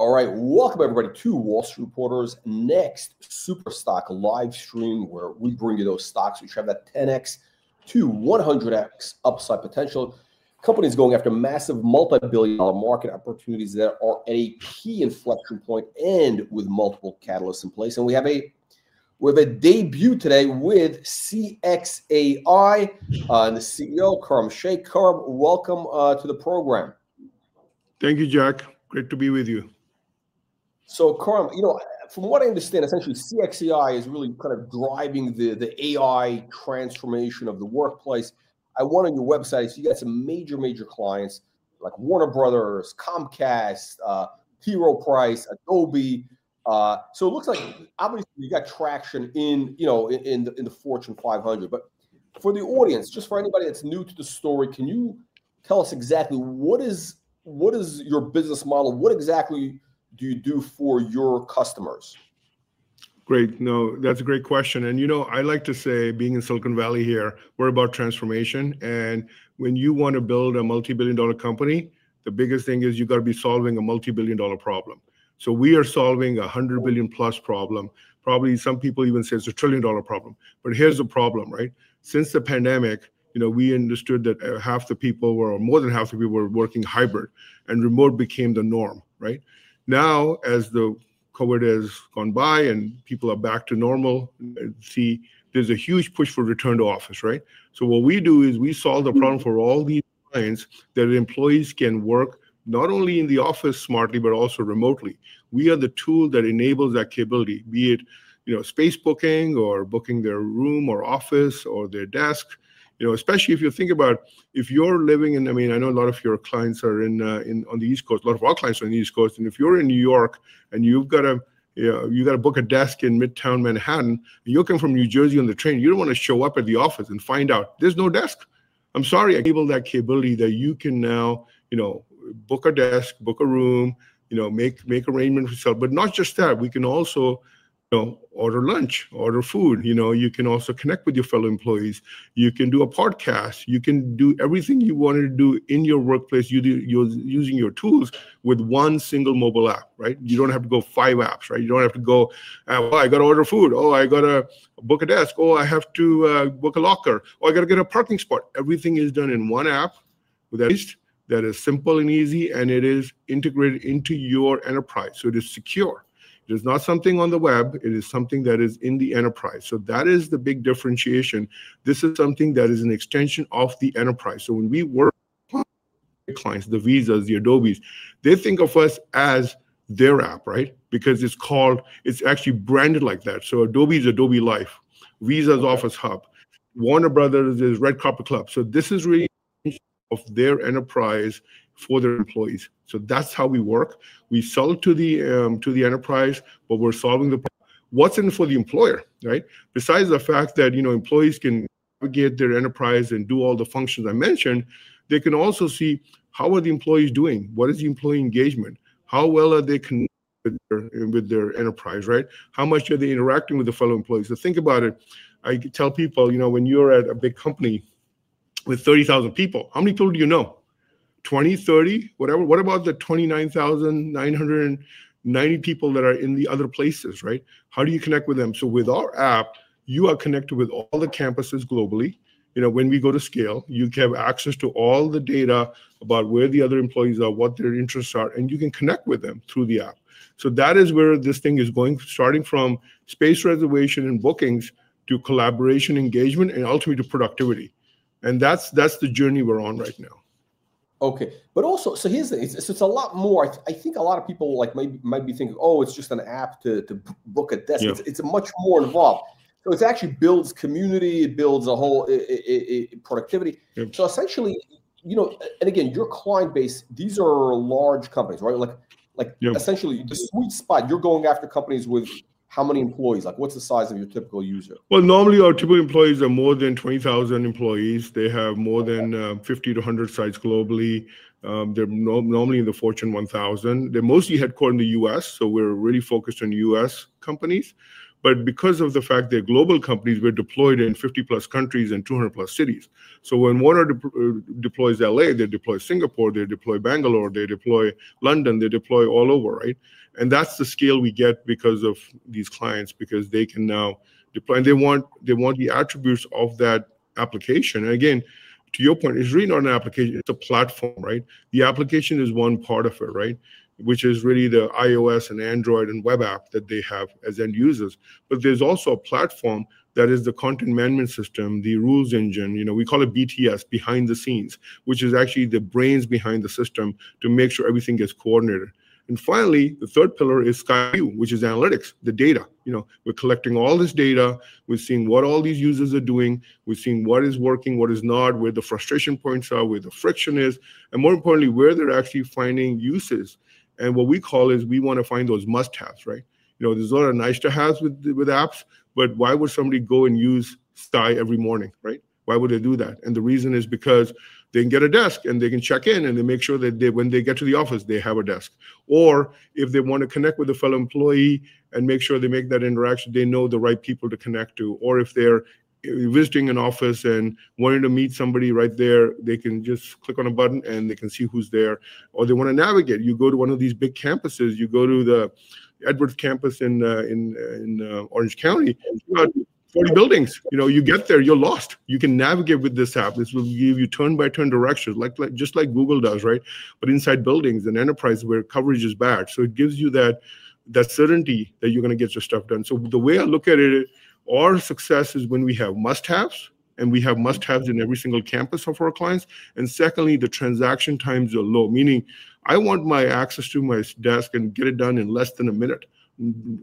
All right, welcome everybody to Wall Street Reporter's next Super Stock Livestream, where we bring you those stocks which have that 10X to 100X upside potential. Companies going after massive multi-billion dollar market opportunities that are at a key inflection point and with multiple catalysts in place, and we have a debut today with CXAI and the CEO, Khurram Sheikh. Khurram, welcome to the program. Thank you, Jack. Great to be with you. So, Khurram, you know, from what I understand, essentially CXAI is really kind of driving the AI transformation of the workplace. I went on your website, so you got some major, major clients like Warner Bros., Comcast, HPE, Adobe. So it looks like obviously you got traction in, you know, in the Fortune 500. But for the audience, just for anybody that's new to the story, can you tell us exactly what is your business model? What exactly do you do for your customers? Great. No, that's a great question. And you know, I like to say being in Silicon Valley here, we're about transformation. And when you want to build a multi-billion dollar company, the biggest thing is you got to be solving a multi-billion dollar problem. So we are solving a hundred billion plus problem. Probably some people even say it's a trillion dollar problem. But here's the problem, right? Since the pandemic, you know, we understood that half the people, or more than half the people, were working hybrid, and remote became the norm, right? Now, as COVID has gone by and people are back to normal, see, there's a huge push for return to office, right? So what we do is we solve the problem for all these clients that employees can work not only in the office smartly, but also remotely. We are the tool that enables that capability, be it, you know, space booking or booking their room or office or their desk. You know, especially if you think about if you're living in, I mean, I know a lot of your clients are in, on the East Coast, a lot of our clients are on the East Coast, and if you're in New York and you've got to, you got to book a desk in Midtown Manhattan, and you're coming from New Jersey on the train, you don't want to show up at the office and find out there's no desk. I'm sorry. Enable that capability that you can now, you know, book a desk, book a room, you know, make arrangements for yourself, but not just that, we can also, you know, order lunch, order food. You know, you can also connect with your fellow employees. You can do a podcast. You can do everything you want to do in your workplace, using your tools with one single mobile app, right? You don't have to go five apps, right? You don't have to go, oh, I got to order food. Oh, I got to book a desk. Oh, I have to book a locker. Oh, I got to get a parking spot. Everything is done in one app with. That is simple and easy, and it is integrated into your enterprise. So it is secure. It is not something on the web. It is something that is in the enterprise. So that is the big differentiation. This is something that is an extension of the enterprise. So when we work with clients, the Visa, the Adobe, they think of us as their app, right? Because it's called, it's actually branded like that. Adobe is Adobe Life. Visa is Office Hub. Warner Bros. is Red Carpet Club. This is really of their enterprise for their employees. That's how we work. We sell it to the enterprise, but we're solving the problem. What's in it for the employer, right? Besides the fact that, you know, employees can navigate their enterprise and do all the functions I mentioned, they can also see how are the employees doing? What is the employee engagement? How well are they connected with their enterprise, right? How much are they interacting with the fellow employees? Think about it. I tell people, you know, when you're at a big company with 30,000 people, how many people do you know? 20, 30, whatever. What about the 29,990 people that are in the other places, right? How do you connect with them? So with our app, you are connected with all the campuses globally. You know, when we go to scale, you can have access to all the data about where the other employees are, what their interests are, and you can connect with them through the app. So that is where this thing is going, starting from space reservation and bookings to collaboration engagement and ultimately to productivity. And that's the journey we're on right now. Okay. But also, it's a lot more. I think a lot of people, like, might be thinking, oh, it's just an app to book a desk. It's much more involved. So it actually builds community. It builds a whole productivity. So essentially, you know, and again, your client base, these are large companies, right? Like, essentially the sweet spot, you're going after companies with how many employees? Like, what's the size of your typical user? Normally our typical employees are more than 20,000 employees. They have more than 50 to 100 sites globally. They're normally in the Fortune 1000. They're mostly headquartered in the U.S. We're really focused on U.S. companies. Because of the fact they're global companies, we're deployed in 50 plus countries and 200 plus cities. When Warner deploys LA, they deploy Singapore, they deploy Bangalore, they deploy London, they deploy all over, right? That's the scale we get because of these clients, because they can now deploy, and they want the attributes of that application. Again, to your point, it's really not an application. It's a platform, right? The application is one part of it, right? Which is really the iOS and Android and web app that they have as end users. But there's also a platform that is the content management system, the rules engine. You know, we call it BTS, behind the scenes, which is actually the brains behind the system to make sure everything gets coordinated. And finally, the third pillar is SkyView, which is analytics, the data. You know, we're collecting all this data. We've seen what all these users are doing. We've seen what is working, what is not, where the frustration points are, where the friction is, and more importantly, where they're actually finding uses. And what we call is we want to find those must-haves, right? You know, there's a lot of nice to have with apps, but why would somebody go and use Sky every morning, right? Why would they do that? The reason is because they can get a desk and they can check in and they make sure that when they get to the office, they have a desk. Or if they want to connect with a fellow employee and make sure they make that interaction, they know the right people to connect to. Or if they're visiting an office and wanting to meet somebody right there, they can just click on a button and they can see who's there. Or they want to navigate. You go to one of these big campuses. You go to the Edwards campus in Orange County, 40 buildings. You know, you get there, you're lost. You can navigate with this app. This will give you turn-by-turn directions, just like Google does, right? But inside buildings and enterprise where coverage is bad. So it gives you that certainty that you're going to get your stuff done. So the way I look at it, our success is when we have must-haves and we have must-haves in every single campus of our clients. And secondly, the transaction times are low, meaning I want my access to my desk and get it done in less than a minute.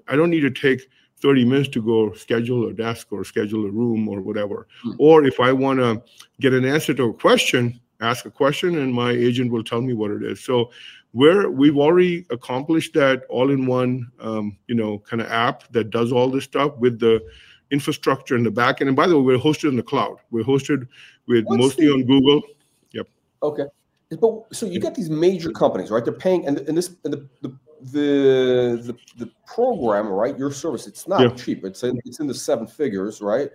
I don't need to take 30 minutes to go schedule a desk or schedule a room or whatever. Or if I want to get an answer to a question, ask a question and my agent will tell me what it is. So we've already accomplished that all in one, you know, kind of app that does all this stuff with the infrastructure in the backend. And by the way, we're hosted in the cloud. We're hosted with mostly on Google. Yep. Okay. So you got these major companies, right? They're paying and the program, right, your service, it's not cheap. It's in the seven figures, right?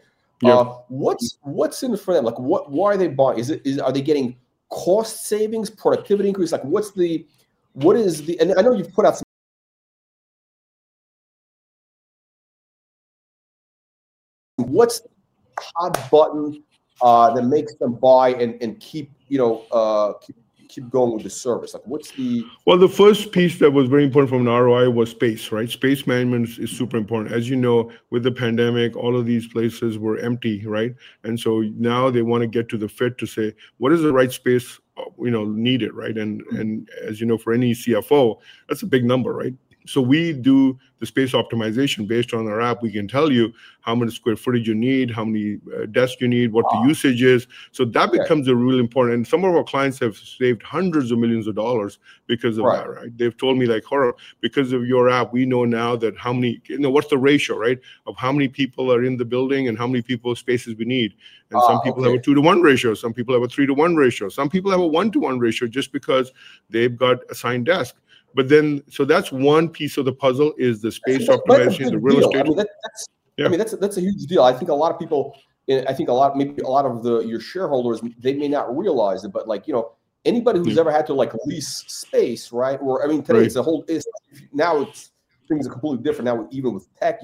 What's in front of them? Like why are they buying? Are they getting cost savings, productivity increase? Like what's the, what is the, and I know you've put out some. What's the hot button that makes them buy and keep, you know, keep going with the service? Like what's the. Well, the first piece that was very important from an ROI was space, right? Space management is super important. As you know, with the pandemic, all of these places were empty, right? And so now they want to get to the fit to say, what is the right space, you know, needed, right? And as you know, for any CFO, that's a big number, right? So we do the space optimization based on our app. We can tell you how many square footage you need, how many desks you need, what the usage is. So that becomes really important. And some of our clients have saved hundreds of millions of dollars because of that, right? They've told me like, because of your app, we know now that how many, you know, what's the ratio, right? Of how many people are in the building and how many people spaces we need. And some people have a two to one ratio. Some people have a three to one ratio. Some people have a one to one ratio just because they've got an assigned desk. But then, so that's one piece of the puzzle is the space optimization, the real estate. I mean, that's a huge deal. I think a lot of people, I think a lot, maybe a lot of your shareholders, they may not realize it, but like, you know, anybody who's ever had to like lease space, right? Or I mean, today it's a whole, now it's things are completely different. Now even with tech,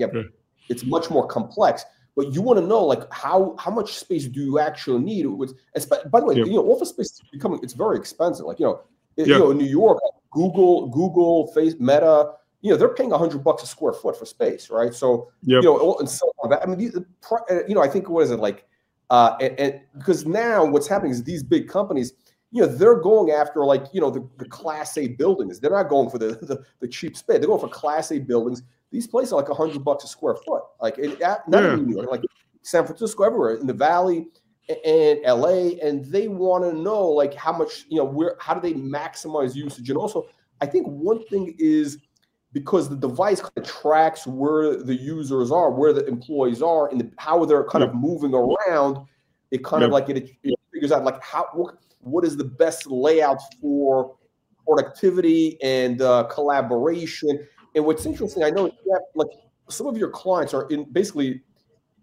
it's much more complex. But you want to know like how much space do you actually need? By the way, you know, office space is becoming, it's very expensive. Like, you know, you go in New York, Google, Facebook, Meta, you know, they're paying $100 a sq ft for space, right? So, you know, and so on. I mean, you know, I think what is it like, because now what's happening is these big companies, you know, they're going after like, you know, the class A buildings. They're not going for the cheap space. They're going for class A buildings. These places are like $100 a sq ft. Like not only in New York, like San Francisco, everywhere in the Valley and LA, and they want to know like how much, you know, how do they maximize usage. Also, I think one thing is because the device kind of tracks where the users are, where the employees are and how they're kind of moving around, it kind of like it figures out like what is the best layout for productivity and collaboration. What's interesting, I know like some of your clients are basically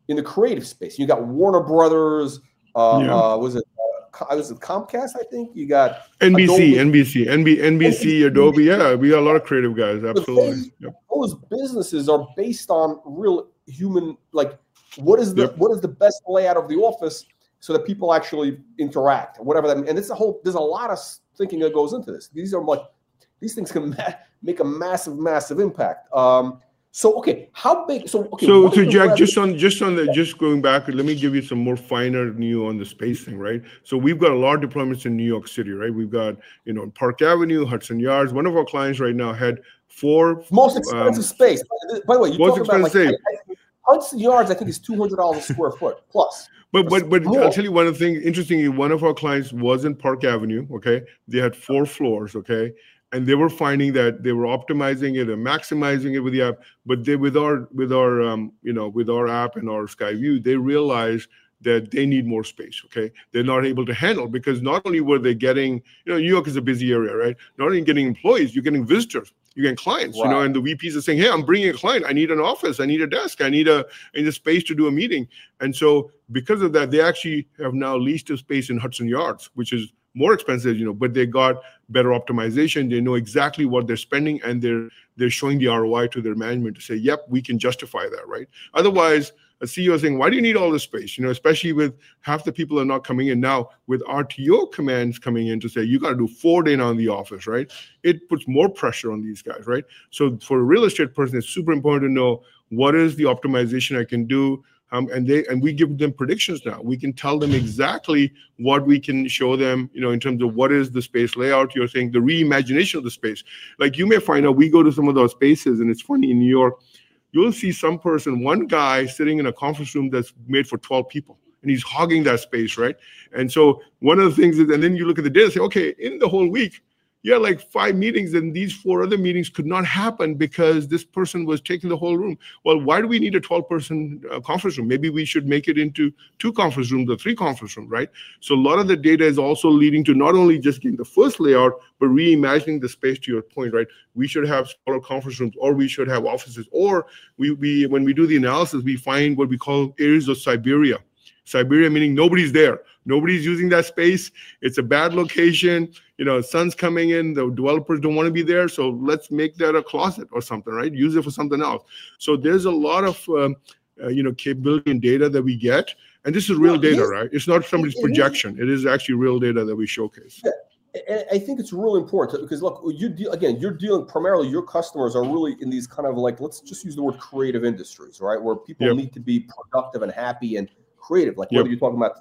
in the creative space. You got Warner Bros., was it Comcast, I think you got. NBC, Adobe. Yeah. We got a lot of creative guys. Absolutely. Those businesses are based on real human, like what is the best layout of the office so that people actually interact, whatever that means. There's a lot of thinking that goes into this. These are like, these things can make a massive, massive impact. So okay, how big, so okay. So Jack, just going back, let me give you some more finer nuance on the spacing, right? We've got a lot of deployments in New York City, right? We've got, you know, Park Avenue, Hudson Yards. One of our clients right now had four. Most expensive space. By the way, you talked about Hudson Yards, I think it's $200 a sq ft plus. But I'll tell you one thing. Interestingly, one of our clients was in Park Avenue, okay? They had four floors, okay? And they were finding that they were optimizing it and maximizing it with the app. But with our, you know, with our app and our SkyView, they realized that they need more space, okay? They're not able to handle because not only were they getting, you know, New York is a busy area, right? Not only getting employees, you're getting visitors, you're getting clients, you know, and the VPs are saying, hey, I'm bringing a client. I need an office. I need a desk. I need a space to do a meeting. And so because of that, they actually have now leased a space in Hudson Yards, which is more expensive, you know, but they got better optimization. They know exactly what they're spending and they're showing the ROI to their management to say, yep, we can justify that, right? Otherwise, a CEO is saying, why do you need all this space? You know, especially with half the people are not coming in now with RTO commands coming in to say, you got to do four days in the office, right? It puts more pressure on these guys, right? So for a real estate person, it's super important to know what is the optimization I can do. And we give them predictions now. We can tell them exactly what we can show them, you know, in terms of what is the space layout you're saying, the reimagination of the space. Like you may find out we go to some of those spaces and it's funny in New York, you'll see some person, one guy sitting in a conference room that's made for 12 people and he's hogging that space, right? And so one of the things is, and then you look at the data and say, okay, in the whole week, you had like five meetings and these four other meetings could not happen because this person was taking the whole room. Well, why do we need a 12-person conference room? Maybe we should make it into two conference rooms or three conference rooms, right? So a lot of the data is also leading to not only just getting the first layout, but reimagining the space to your point, right? We should have smaller conference rooms or we should have offices or when we do the analysis, we find what we call areas of Siberia. Siberia, meaning nobody's there. Nobody's using that space. It's a bad location. You know, sun's coming in. The developers don't want to be there. So let's make that a closet or something, right? Use it for something else. So there's a lot of, you know, capability and data that we get, and this is real data, right? It's not somebody's projection. It is actually real data that we showcase. I think it's real important because look, again, you're dealing primarily, your customers are really in these kind of like, let's just use the word creative industries, right? Where people need to be productive and happy and creative. Like whether you're talking about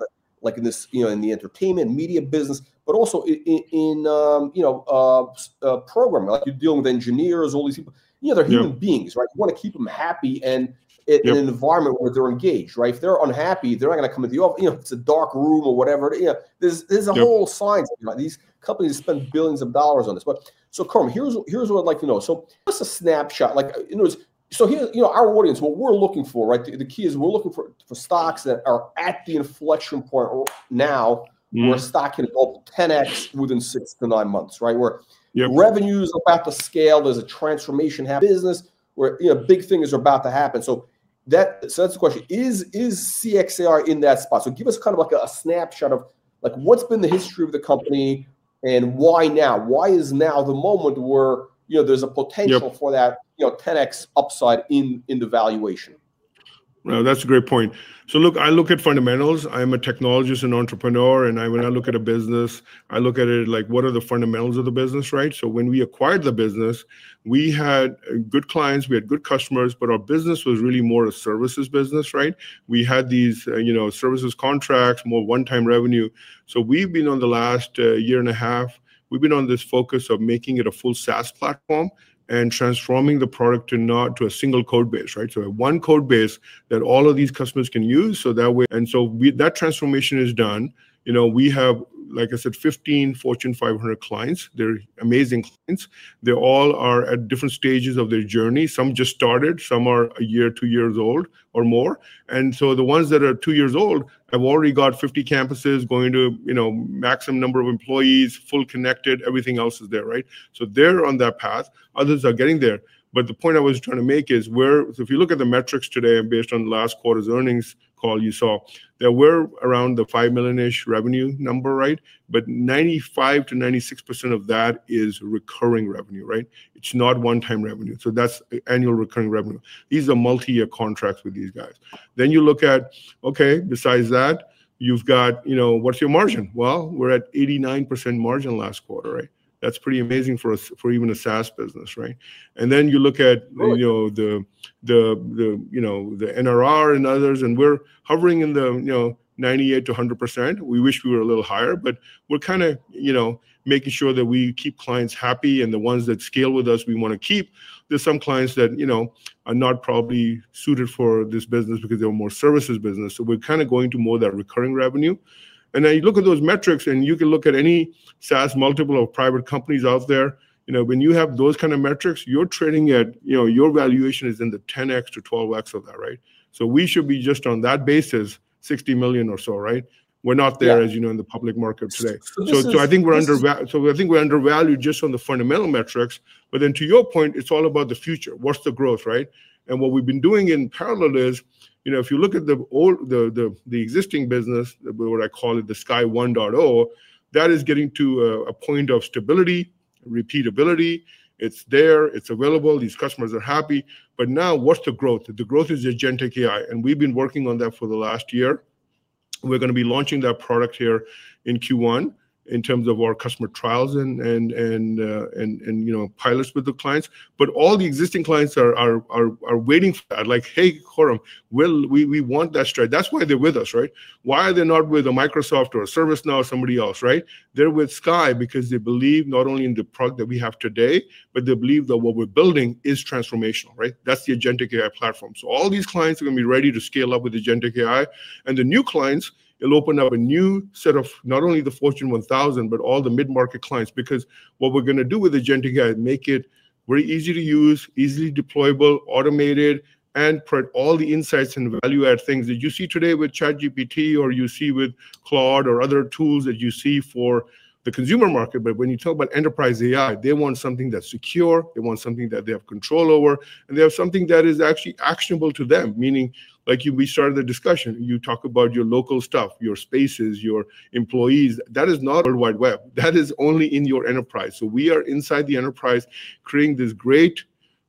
like in this, you know, in the entertainment media business, but also in, you know, programming, like you're dealing with engineers, all these people, you know, they're human beings, right? You want to keep them happy and in an environment where they're engaged, right? If they're unhappy, they're not going to come into the office, you know, it's a dark room or whatever. You know, there's a whole science behind these companies that spend billions of dollars on this. But so Khurram, here's what I'd like to know. So just a snapshot, like, you know, so here, you know, our audience, what we're looking for, right? The key is we're looking for stocks that are at the inflection point now where stock can double 10X within six to nine months, right? Where revenues are about to scale, there's a transformation happening. Business where, you know, big things are about to happen. So that's the question. Is CXAI in that spot? So give us kind of like a snapshot of like what's been the history of the company and why now? Why is now the moment where, you know, there's a potential for that, you know, 10X upside in the valuation? Well, that's a great point. So look, I look at fundamentals. I'm a technologist and entrepreneur and when I look at a business, I look at it like what are the fundamentals of the business, right? So when we acquired the business, we had good clients, we had good customers, but our business was really more a services business, right? We had these, you know, services contracts, more one-time revenue. So we've been on the last year and a half, we've been on this focus of making it a full SaaS platform and transforming the product to not to a single code base, right? So one code base that all of these customers can use. So that way, and so that transformation is done. You know, we have, like I said, 15 Fortune 500 clients. They're amazing clients. They all are at different stages of their journey. Some just started, some are a year, two years old or more. And so the ones that are two years old have already got 50 campuses going to, you know, maximum number of employees, full connected, everything else is there, right? So they're on that path. Others are getting there. But the point I was trying to make is where, so if you look at the metrics today based on the last quarter's earnings call you saw, there were around the $5 million-ish revenue number, right? But 95%-96% of that is recurring revenue, right? It's not one-time revenue. So that's annual recurring revenue. These are multi-year contracts with these guys. Then you look at, okay, besides that, you've got, you know, what's your margin? Well, we're at 89% margin last quarter, right? That's pretty amazing for even a SaaS business, right? And then you look at, you know, the NRR and others and we're hovering in the 98%-100%. We wish we were a little higher, but we're kind of, you know, making sure that we keep clients happy and the ones that scale with us, we want to keep. There's some clients that, you know, are not probably suited for this business because they're more services business. So we're kind of going to more of that recurring revenue. And then you look at those metrics and you can look at any SaaS multiple of private companies out there. You know, when you have those kind of metrics, you're trading at, you know, your valuation is in the 10X-12X of that, right? So we should be just on that basis, $60 million or so, right? We're not there, as you know, in the public market today. So I think we're undervalued just on the fundamental metrics, but then to your point, it's all about the future. What's the growth, right, and what we've been doing in parallel is, you know, if you look at the existing business, what I call it the Sky 1.0, that is getting to a point of stability, repeatability. It's there, it's available, these customers are happy, but now what's the growth? The growth is Agentic AI, and we've been working on that for the last year. We're going to be launching that product here in Q1 in terms of our customer trials and, you know, pilots with the clients, but all the existing clients are waiting for that. Like, hey, Khurram, we want that strategy. That's why they're with us, right? Why are they not with a Microsoft or a ServiceNow or somebody else, right? They're with Sky because they believe not only in the product that we have today, but they believe that what we're building is transformational, right? That's the Agentic AI platform. So all these clients are going to be ready to scale-up with Agentic AI, and the new clients, it'll open up a new set of not only the Fortune 1000, but all the mid-market clients. Because what we're going to do with Agentic AI is make it very easy to use, easily deployable, automated, and put all the insights and value-add things that you see today with ChatGPT or you see with Claude or other tools that you see for the consumer market, but when you talk about enterprise AI, they want something that's secure. They want something that they have control over. And they have something that is actually actionable to them. Meaning, like we started the discussion, you talk about your local stuff, your spaces, your employees. That is not World Wide Web. That is only in your enterprise. So we are inside the enterprise creating this great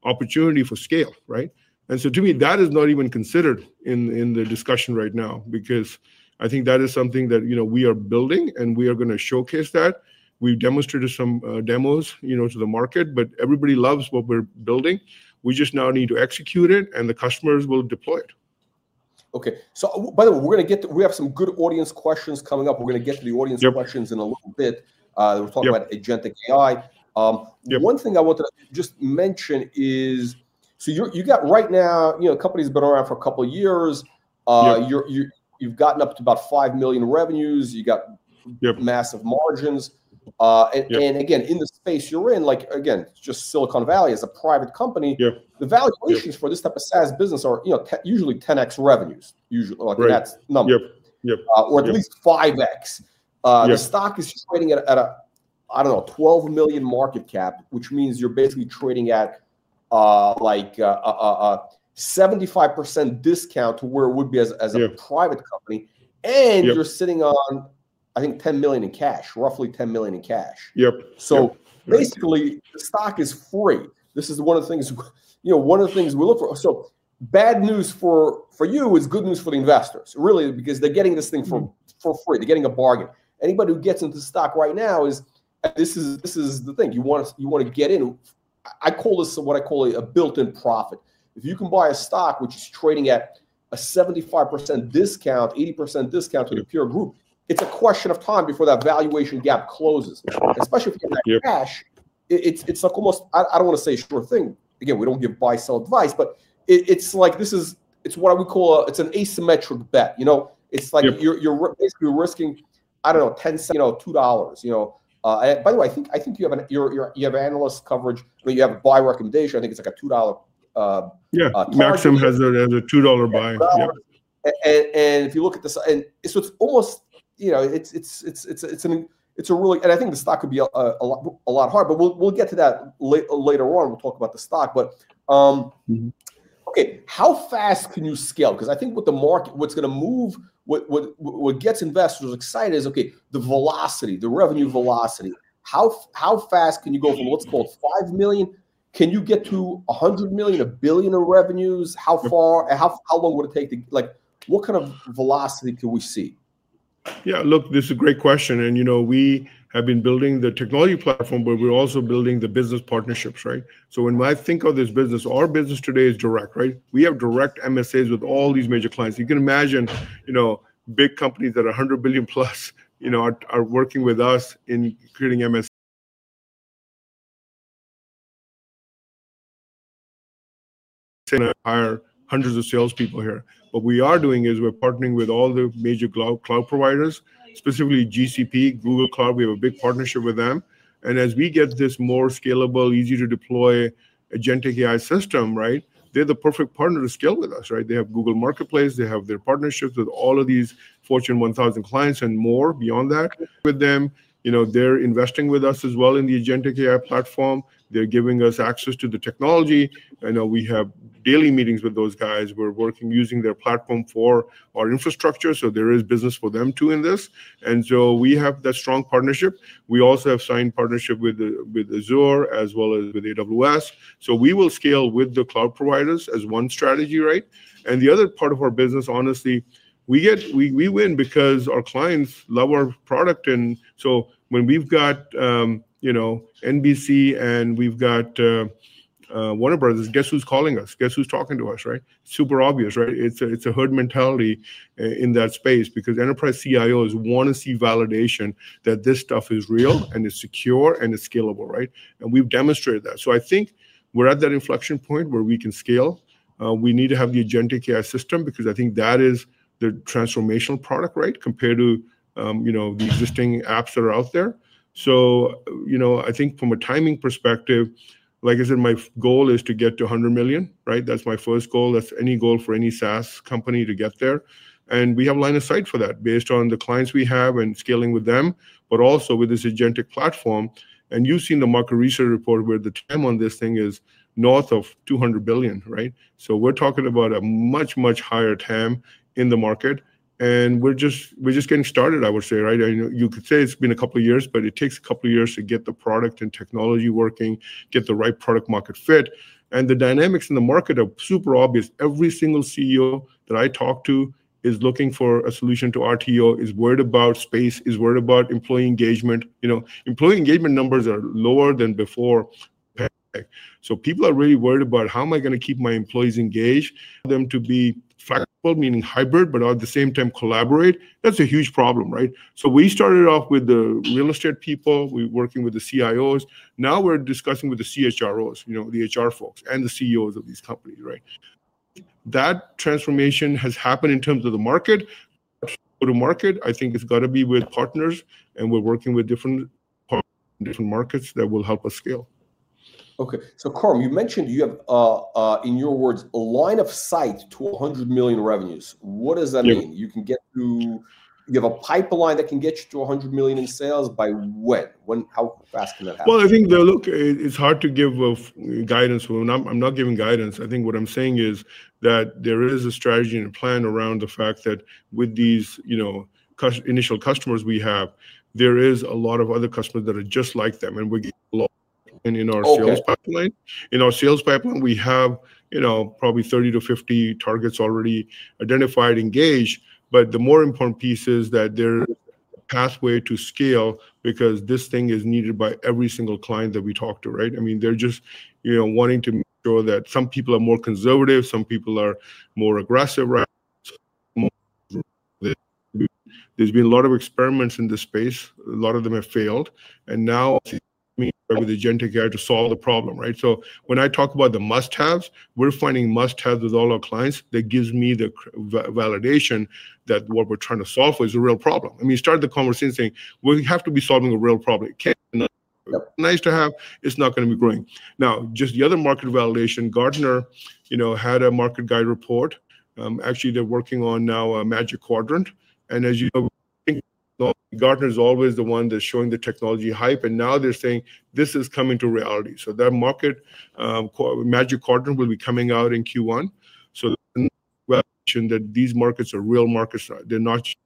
opportunity for scale, right? And so to me, that is not even considered in the discussion right now because I think that is something that, you know, we are building and we are going to showcase that. We've demonstrated some demos, you know, to the market, but everybody loves what we're building. We just now need to execute it and the customers will deploy it. Okay. So by the way, we're going to get, we have some good audience questions coming up. We're going to get to the audience questions in a little bit. We're talking about agentic AI. One thing I want to just mention is, so you got right now, you know, the company's been around for a couple of years. You've gotten up to about $5 million revenues. You got massive margins. And again, in the space you're in, like again, just Silicon Valley as a private company, the valuations for this type of SaaS business are, you know, usually 10X revenues. Usually like that's number. Or at least 5X. The stock is trading at a, I don't know, $12 million market cap, which means you're basically trading at like a 75% discount to where it would be as a private company. You're sitting on, I think, $10 million in cash, roughly $10 million in cash. So basically the stock is free. This is one of the things, you know, one of the things we look for. So bad news for you is good news for the investors, really, because they're getting this thing for free. They're getting a bargain. Anybody who gets into the stock right now is, this is the thing. You want to get in. I call this what I call a built-in profit. If you can buy a stock which is trading at a 75% discount, 80% discount to the peer group, it's a question of time before that valuation gap closes. Especially if you're in that cash, it's like almost, I don't want to say a sure thing. Again, we don't give buy-sell advice, but it's like this is, it's what we call, it's an asymmetric bet. You know, it's like you're basically risking, I don't know, 10. You know, $2, you know. By the way, I think you have an analyst coverage, but you have a buy recommendation. I think it's like a $2. Yeah, Maxim has a $2 buy. And if you look at this, and so it's almost, you know, it's a really, and I think the stock could be a lot harder, but we'll get to that later on. We'll talk about the stock, but okay, how fast can you scale? Because I think what the market, what's going to move, what gets investors excited is, okay, the velocity, the revenue velocity. How fast can you go from what's called $5 million? Can you get to $100 million, $1 billion of revenues? How far, how long would it take to, like, what kind of velocity can we see? Yeah, look, this is a great question, and you know, we have been building the technology platform, but we're also building the business partnerships, right? So when I think of this business, our business today is direct, right? We have direct MSAs with all these major clients. You can imagine, you know, big companies that are 100 billion plus, you know, are working with us in creating MSAs. Hire hundreds of salespeople here. What we are doing is we're partnering with all the major cloud providers, specifically GCP, Google Cloud. We have a big partnership with them, and as we get this more scalable, easy to deploy agentic AI system, right? They're the perfect partner to scale with us, right? They have Google Marketplace. They have their partnerships with all of these Fortune 1000 clients and more beyond that. With them, you know, they're investing with us as well in the agentic AI platform. They're giving us access to the technology. I know we have daily meetings with those guys. We're working, using their platform for our infrastructure. So there is business for them too in this. And so we have that strong partnership. We also have signed partnership with Azure as well as with AWS. So we will scale with the cloud providers as one strategy, right? And the other part of our business, honestly, we get, we win because our clients love our product. And so when we've got, you know, NBC and we've got Warner Bros., guess who's calling us? Guess who's talking to us, right? Super obvious, right? It's a herd mentality in that space because enterprise CIOs want to see validation that this stuff is real and it's secure and it's scalable, right? And we've demonstrated that. So I think we're at that inflection point where we can scale. We need to have the agentic AI system because I think that is the transformational product, right? Compared to, you know, the existing apps that are out there. So, you know, I think from a timing perspective, like I said, my goal is to get to $100 million, right? That's my first goal. That's any goal for any SaaS company to get there. And we have a line of sight for that based on the clients we have and scaling with them, but also with this agentic platform. And you've seen the market research report where the TAM on this thing is north of $200 billion, right? So we're talking about a much, much higher TAM in the market. And we're just getting started, I would say, right? You could say it's been a couple of years, but it takes a couple of years to get the product and technology working, get the right product-market fit, and the dynamics in the market are super obvious. Every single CEO that I talk to is looking for a solution to RTO, is worried about space, is worried about employee engagement. You know, employee engagement numbers are lower than before pandemic, so people are really worried about how am I going to keep my employees engaged? Them to be flexible, meaning hybrid, but at the same time collaborate. That's a huge problem, right? We started off with the real estate people, we're working with the CIOs. Now we're discussing with the CHROs, you know, the HR folks and the CEOs of these companies, right? That transformation has happened in terms of the market. To market, I think it's got to be with partners and we're working with different partners in different markets that will help us scale. Okay. So Khurram, you mentioned you have, in your words, a line of sight to 100 million revenues. What does that mean? You can get to, you have a pipeline that can get you to 100 million in sales. By when? How fast can that happen? Well, I think that, look, it's hard to give guidance. I'm not giving guidance. I think what I'm saying is that there is a strategy and a plan around the fact that with these, you know, initial customers we have, there is a lot of other customers that are just like them. And we're getting a lot in our sales pipeline. In our sales pipeline, we have, you know, probably 30-50 targets already identified, engaged. But the more important piece is that there is a pathway to scale because this thing is needed by every single client that we talk to, right? I mean, they're just, you know, wanting to make sure that some people are more conservative, some people are more aggressive, right? There's been a lot of experiments in this space. A lot of them have failed. Now we need Agentic AI to solve the problem, right? When I talk about the must-haves, we're finding must-haves with all our clients. That gives me the validation that what we're trying to solve for is a real problem. I mean, start the conversation saying, we have to be solving a real problem. It can't be nice to have. It's not going to be growing. Now, just the other market validation, Gartner, you know, had a Market Guide report. Actually, they're working on now a Magic Quadrant. As you know, Gartner is always the one that's showing the technology hype. Now they're saying this is coming to reality. That market, Magic Quadrant will be coming out in Q1. That's a validation that these markets are real markets. They're not just...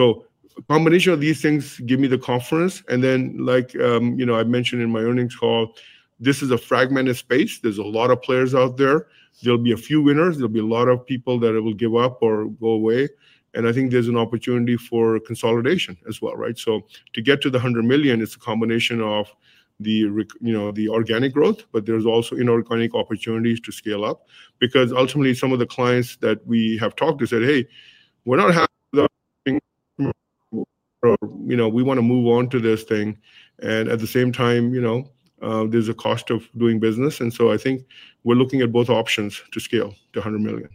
A combination of these things gives me the confidence. And then, like, you know, I mentioned in my earnings call, this is a fragmented space. There's a lot of players out there. There'll be a few winners. There'll be a lot of people that will give up or go away. And I think there's an opportunity for consolidation as well, right? So to get to the 100 million, it's a combination of the, you know, the organic growth, but there's also inorganic opportunities to scale-up. Because ultimately, some of the clients that we have talked to said, hey, we're not happy with our... You know, we want to move on to this thing. And at the same time, you know, there's a cost of doing business. And so I think we're looking at both options to scale to 100 million.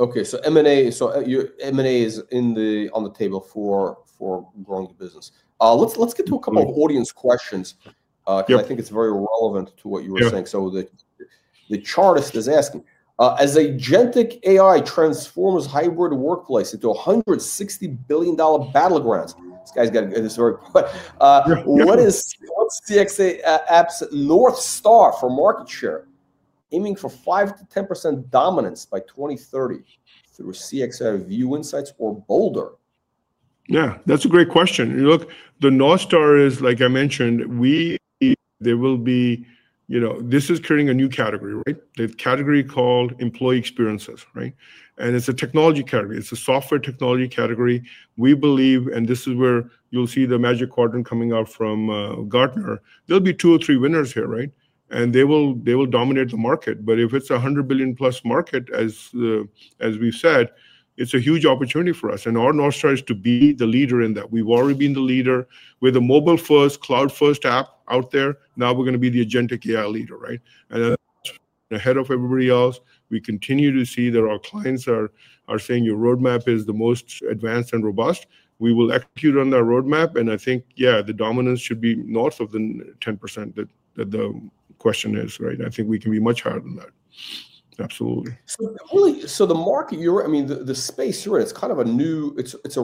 Okay. M&A is on the table for growing the business. Let's get to a couple of audience questions. I think it's very relevant to what you were saying. The chartist is asking, as agentic AI transforms hybrid workplace into $160 billion battlegrounds. This guy's got this very... What is CXApp's North Star for market share, aiming for 5%-10% dominance by 2030 through SkyView Insights or broader? Yeah, that's a great question. Look, the North Star is, like I mentioned, we... There will be, you know, this is creating a new category, right? The category called employee experiences, right? And it's a technology category. It's a software technology category. We believe, and this is where you'll see the Magic Quadrant coming out from Gartner. There'll be two or three winners here, right? And they will dominate the market, but if it's a $100 billion-plus market, as we've said, it's a huge opportunity for us. And our North Star is to be the leader in that. We've already been the leader. We're the mobile-first, cloud-first app out there. Now we're going to be the agentic AI leader, right? And ahead of everybody else, we continue to see that our clients are saying your roadmap is the most advanced and robust. We will execute on that roadmap. I think, yeah, the dominance should be north of the 10% that the question is, right? I think we can be much higher than that. Absolutely. So the market, I mean, the space you're in, it's a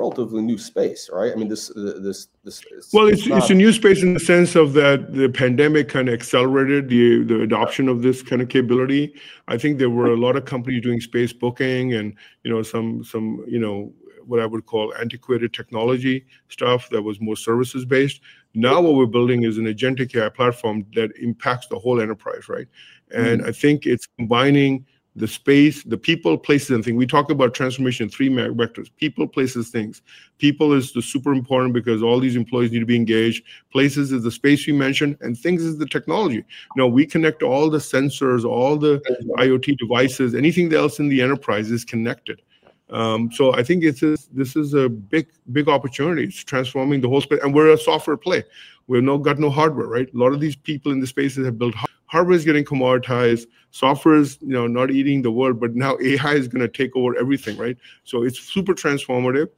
relatively new space, right? I mean, this... It's a new space in the sense of that the pandemic kind of accelerated the adoption of this kind of capability. I think there were a lot of companies doing space booking and, you know, some, you know, what I would call antiquated technology stuff that was more services-based. Now what we're building is an agentic AI platform that impacts the whole enterprise, right? And I think it's combining the space, the people, places, and things. We talk about transformation in three vectors. People, places, things. People is super important because all these employees need to be engaged. Places is the space we mentioned. And things is the technology. Now we connect all the sensors, all the IoT devices, anything else in the enterprise is connected. So I think this is a big, big opportunity. It's transforming the whole space. And we're a software play. We've got no hardware, right? A lot of these people in the spaces have built. Hardware is getting commoditized. Software is, you know, not eating the world, but now AI is going to take over everything, right? So it's super transformative.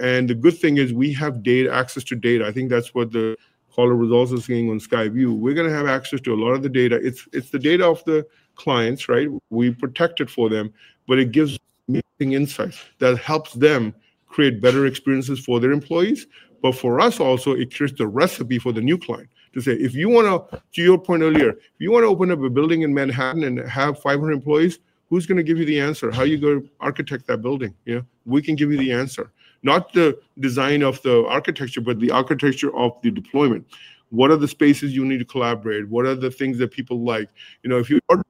And the good thing is we have data access to data. I think that's what the caller was also saying on SkyView. We're going to have access to a lot of the data. It's the data of the clients, right? We protect it for them, but it gives amazing insights that helps them create better experiences for their employees. But for us also, it creates the recipe for the new client to say, if you want to, to your point earlier, if you want to open up a building in Manhattan and have 500 employees, who's going to give you the answer? How are you going to architect that building? You know, we can give you the answer. Not the design of the architecture, but the architecture of the deployment. What are the spaces you need to collaborate? What are the things that people like? You know, if you... help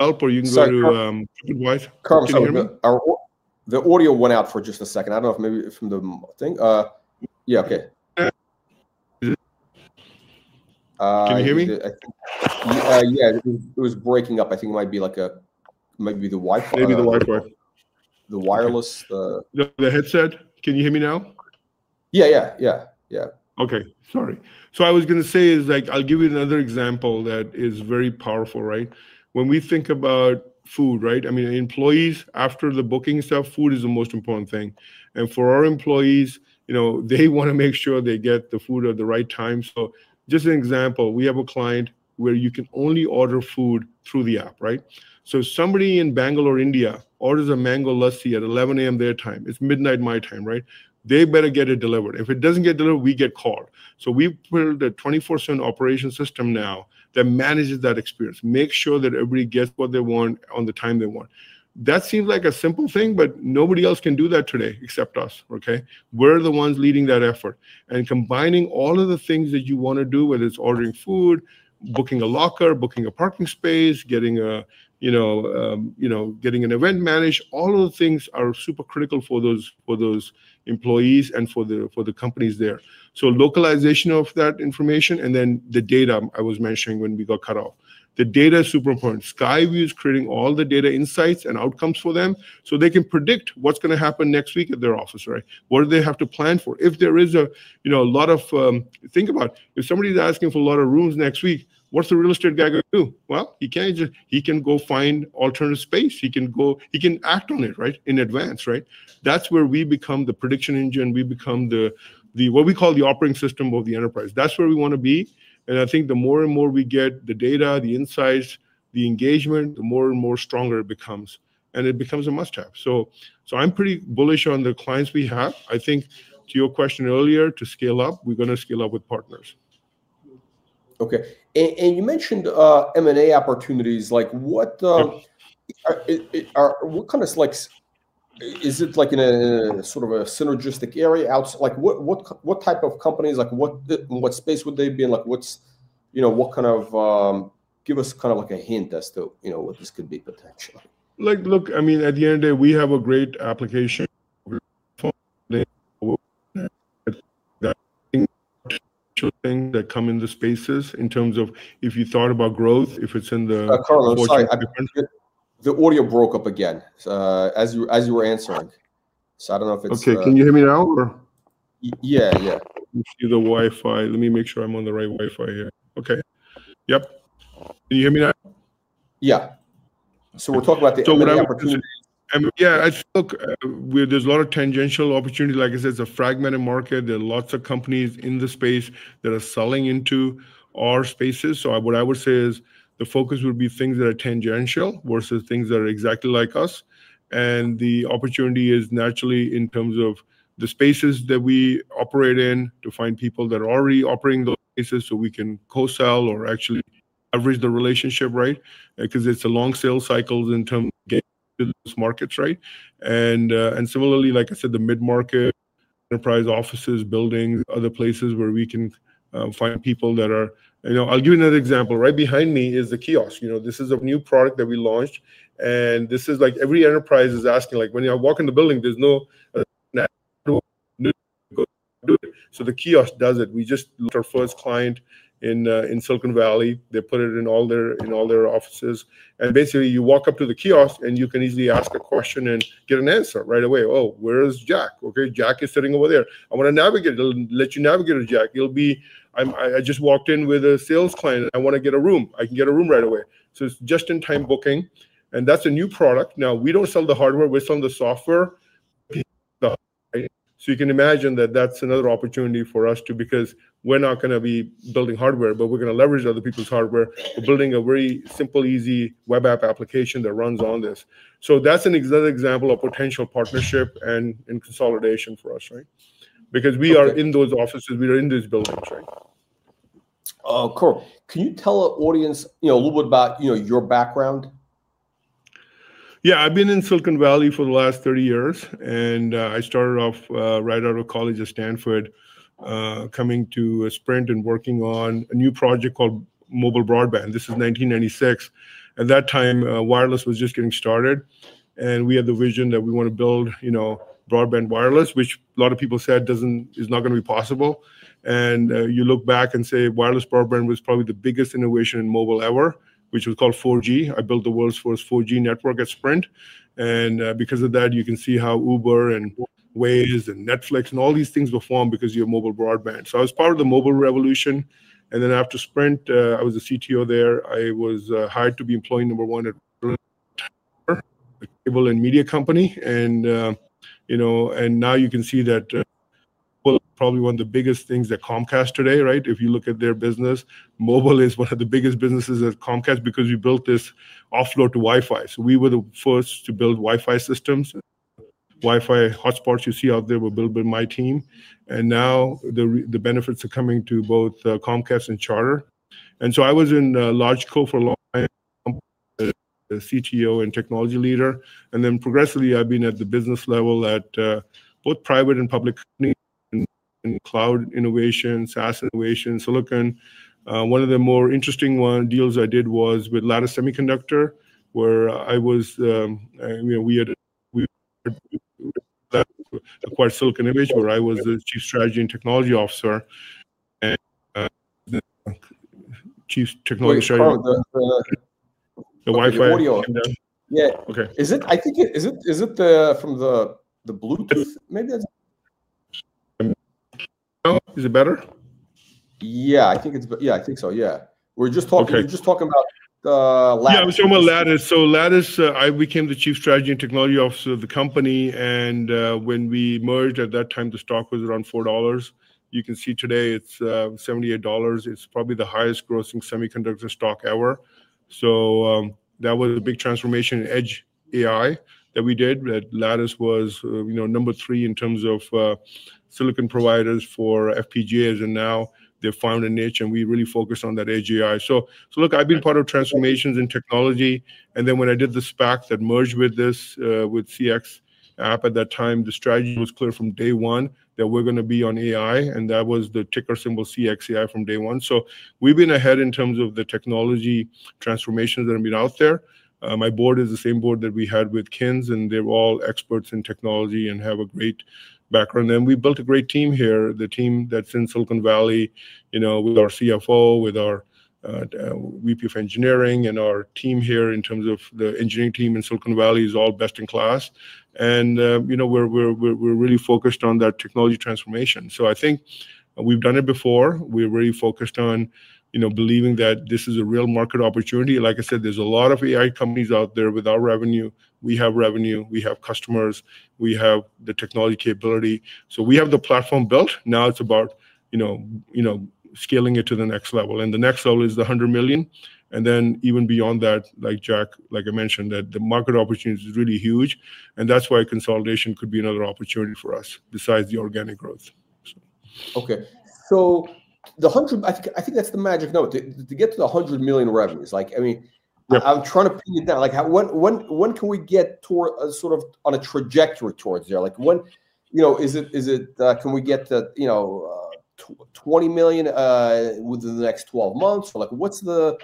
or you can go to... The audio went out for just a second. I don't know if maybe from the thing. Yeah, okay. Can you hear me? Yeah, it was breaking up. I think it might be like a, maybe the Wi-Fi. Maybe the Wi-Fi. The wireless. The headset. Can you hear me now? Yeah, yeah, yeah, yeah. Okay, sorry. So I was going to say is like, I'll give you another example that is very powerful, right? When we think about food, right? I mean, employees after the booking stuff, food is the most important thing. And for our employees, you know, they want to make sure they get the food at the right time. So just an example, we have a client where you can only order food through the app, right? So somebody in Bangalore, India, orders a mango lassi at 11:00 A.M. their time. It's midnight my time, right? They better get it delivered. If it doesn't get delivered, we get called. So we built a 24/7 operations system now that manages that experience. Make sure that everybody gets what they want on the time they want. That seems like a simple thing, but nobody else can do that today except us, okay? We're the ones leading that effort. And combining all of the things that you want to do, whether it's ordering food, booking a locker, booking a parking space, getting a, you know, you know, getting an event managed, all of the things are super critical for those employees and for the companies there. So localization of that information and then the data I was mentioning when we got cut off. The data is super important. SkyView is creating all the data insights and outcomes for them so they can predict what's going to happen next week at their office, right? What do they have to plan for? If there is a, you know, a lot of, think about if somebody's asking for a lot of rooms next week, what's the real estate guy going to do? Well, he can't just, he can go find alternative space. He can go, he can act on it, right? In advance, right? That's where we become the prediction engine. We become the, the what we call the operating system of the enterprise. That's where we want to be. And I think the more and more we get the data, the insights, the engagement, the more and more stronger it becomes. And it becomes a must-have. So I'm pretty bullish on the clients we have. I think to your question earlier, to scale-up, we're going to scale-up with partners. Okay. And you mentioned M&A opportunities. Like what kind of like, is it like in a sort of a synergistic area? Like what type of companies, like what space would they be in? Like what's, you know, what kind of, give us kind of like a hint as to, you know, what this could be potentially. Look, I mean, at the end of the day, we have a great application. We're finding that thing that come in the spaces in terms of if you thought about growth, if it's in the... The audio broke up again as you were answering. So I don't know if it's... Okay, can you hear me now? Yeah, yeah. Let me see the Wi-Fi. Let me make sure I'm on the right Wi-Fi here. Okay. Yep. Can you hear me now? Yeah, so we're talking about the M&A opportunity. Yeah, I think there's a lot of tangential opportunities. Like I said, it's a fragmented market. There are lots of companies in the space that are selling into our spaces, so what I would say is the focus would be things that are tangential versus things that are exactly like us, and the opportunity is naturally in terms of the spaces that we operate in to find people that are already operating those spaces so we can co-sell or actually leverage the relationship, right? Because it's a long sale cycle in terms of getting to those markets, right, and similarly, like I said, the mid-market, enterprise offices, buildings, other places where we can find people that are, you know, I'll give you another example. Right behind me is the kiosk. You know, this is a new product that we launched. This is like every enterprise is asking, like when you walk in the building, there's no need to do it. So the kiosk does it. We just... Our first client in Silicon Valley. They put it in all their offices. And basically, you walk up to the kiosk and you can easily ask a question and get an answer right away. Oh, where is Jack? Okay, Jack is sitting over there. I want to navigate. I'll let you navigate with Jack. You'll see, I just walked in with a sales client. I want to get a room. I can get a room right away. So it's just in time booking. And that's a new product. Now we don't sell the hardware. We're selling the software. So you can imagine that that's another opportunity for us too, because we're not going to be building hardware, but we're going to leverage other people's hardware. We're building a very simple, easy web app application that runs on this. So that's another example of potential partnership and consolidation for us, right? Because we are in those offices. We are in these buildings, right? Cool. Can you tell the audience, you know, a little bit about, you know, your background? Yeah, I've been in Silicon Valley for the last 30 years. And I started off right out of college at Stanford, coming to Sprint and working on a new project called Mobile Broadband. This is 1996. At that time, wireless was just getting started. And we had the vision that we want to build, you know, broadband wireless, which a lot of people said is not going to be possible. And you look back and say wireless broadband was probably the biggest innovation in mobile ever, which was called 4G. I built the world's first 4G network at Sprint. And because of that, you can see how Uber and Waze and Netflix and all these things were formed because you have mobile broadband. So I was part of the mobile revolution. And then after Sprint, I was the CTO there. I was hired to be employee number one at Cable and Media Company, and, you know, now you can see that probably one of the biggest things that Comcast today, right? If you look at their business, mobile is one of the biggest businesses at Comcast because we built this offload to Wi-Fi. We were the first to build Wi-Fi systems. Wi-Fi hotspots you see out there were built by my team. Now the benefits are coming to both Comcast and Charter, and so I was in telecom for a long time, CTO and technology leader. Then progressively, I have been at the business level at both private and public companies in cloud innovation, SaaS innovation, Silicon. One of the more interesting deals I did was with Lattice Semiconductor, where I was, we had acquired Silicon Image, where I was the Chief Strategy and Technology Officer and Chief Technology Strategy. The Wi-Fi. Yeah. Is it, I think, is it from the Bluetooth maybe? No, is it better? Yeah, I think so. Yeah. We're just talking about Lattice. Yeah, I was talking about Lattice. So Lattice, we became the Chief Strategy and Technology Officer of the company. And when we merged at that time, the stock was around $4. You can see today it's $78. It's probably the highest grossing semiconductor stock ever. So that was a big transformation in edge AI that we did. Lattice was, you know, number three in terms of silicon providers for FPGAs. And now they're found in niche. And we really focused on that edge AI. So look, I've been part of transformations in technology. And then when I did the SPAC that merged with this, with CXApp at that time, the strategy was clear from day one that we're going to be on AI. And that was the ticker symbol CXAI from day one. So we've been ahead in terms of the technology transformations that have been out there. My board is the same board that we had with Kins. And they're all experts in technology and have a great background. And we built a great team here. The team that's in Silicon Valley, you know, with our CFO, with our VP of engineering and our team here in terms of the engineering team in Silicon Valley is all best in class. And, you know, we're really focused on that technology transformation. So I think we've done it before. We're really focused on, you know, believing that this is a real market opportunity. Like I said, there's a lot of AI companies out there without revenue. We have revenue. We have customers. We have the technology capability. So we have the platform built. Now it's about, you know, scaling it to the next level. And the next level is the $100 million. Then even beyond that, like Jack, like I mentioned, that the market opportunity is really huge. That's why consolidation could be another opportunity for us besides the organic growth. Okay. So the $100 million, I think that's the magic number. To get to the $100 million revenues, like, I mean, I'm trying to pin it down. Like, when can we get toward a sort of on a trajectory towards there? Like, when, you know, is it, can we get to, you know, $20 million within the next 12 months? Or like, what's going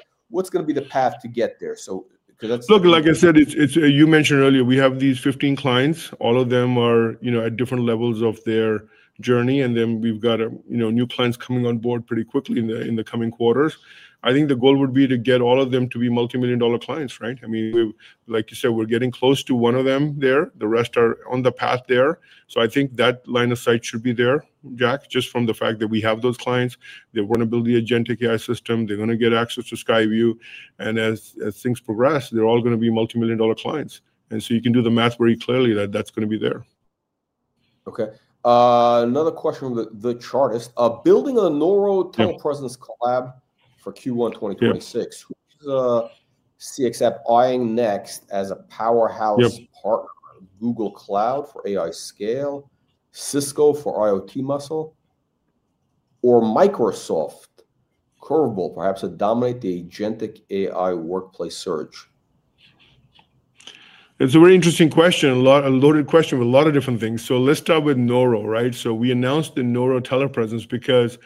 to be the path to get there? So because that's. Look, like I said, it's, you mentioned earlier, we have these 15 clients. All of them are, you know, at different levels of their journey. And then we've got, you know, new clients coming on board pretty quickly in the coming quarters. I think the goal would be to get all of them to be multi-million dollar clients, right? I mean, like you said, we're getting close to one of them there. The rest are on the path there. So I think that line of sight should be there, Jack, just from the fact that we have those clients. They want to build the Agentic AI system. They're going to get access to SkyView. And as things progress, they're all going to be multi-million dollar clients. And so you can do the math very clearly that that's going to be there. Okay. Another question on the chart is building a NeuroTel Presence collab for Q1 2026. Who's CXApp eyeing next as a powerhouse partner? Google Cloud for AI scale, Cisco for IoT muscle, or Microsoft curveball perhaps to dominate the agentic AI workplace surge? It's a very interesting question, a loaded question with a lot of different things. So let's start with Neuro, right? So we announced the NeuroTel Presence because,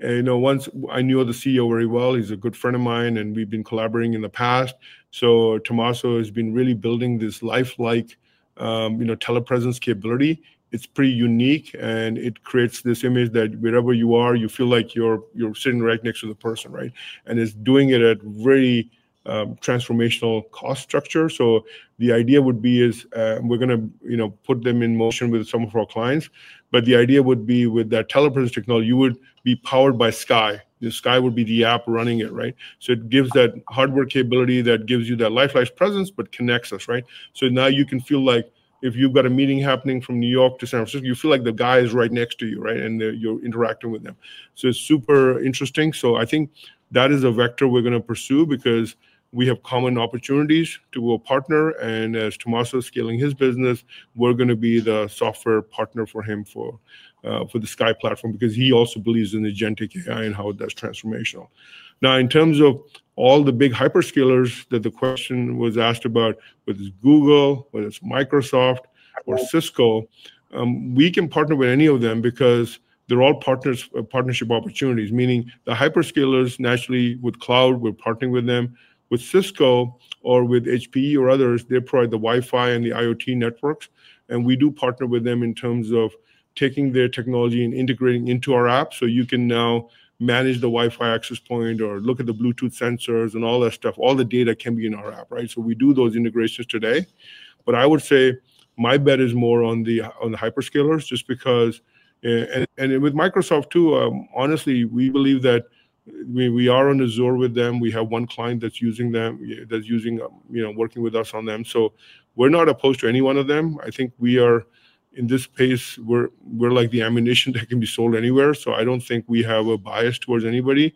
you know, once I knew the CEO very well, he's a good friend of mine, and we've been collaborating in the past. So Tommaso has been really building this lifelike, you know, telepresence capability. It's pretty unique, and it creates this image that wherever you are, you feel like you're sitting right next to the person, right? And it's doing it at a very transformational cost structure. So the idea would be is we're going to, you know, put them in motion with some of our clients. But the idea would be with that telepresence technology, you would be powered by Sky. The Sky would be the app running it, right? So it gives that hardware capability that gives you that life-like presence, but connects us, right? So now you can feel like if you've got a meeting happening from New York to San Francisco, you feel like the guy is right next to you, right? And you're interacting with them. So it's super interesting. So I think that is a vector we're going to pursue because we have common opportunities to be a partner. And as Tommaso is scaling his business, we're going to be the software partner for him for the Sky platform because he also believes in the agentic AI and how that's transformational. Now, in terms of all the big hyperscalers that the question was asked about, whether it's Google, whether it's Microsoft or Cisco, we can partner with any of them because they're all partnership opportunities, meaning the hyperscalers naturally with cloud, we're partnering with them. With Cisco or with HPE or others, they provide the Wi-Fi and the IoT networks. And we do partner with them in terms of taking their technology and integrating into our app. So you can now manage the Wi-Fi access point or look at the Bluetooth sensors and all that stuff. All the data can be in our app, right? So we do those integrations today. But I would say my bet is more on the hyperscalers just because, and with Microsoft too, honestly, we believe that we are on Azure with them. We have one client that's using them, you know, working with us on them. So we're not opposed to any one of them. I think we are in this space, we're like the ammunition that can be sold anywhere. So I don't think we have a bias towards anybody.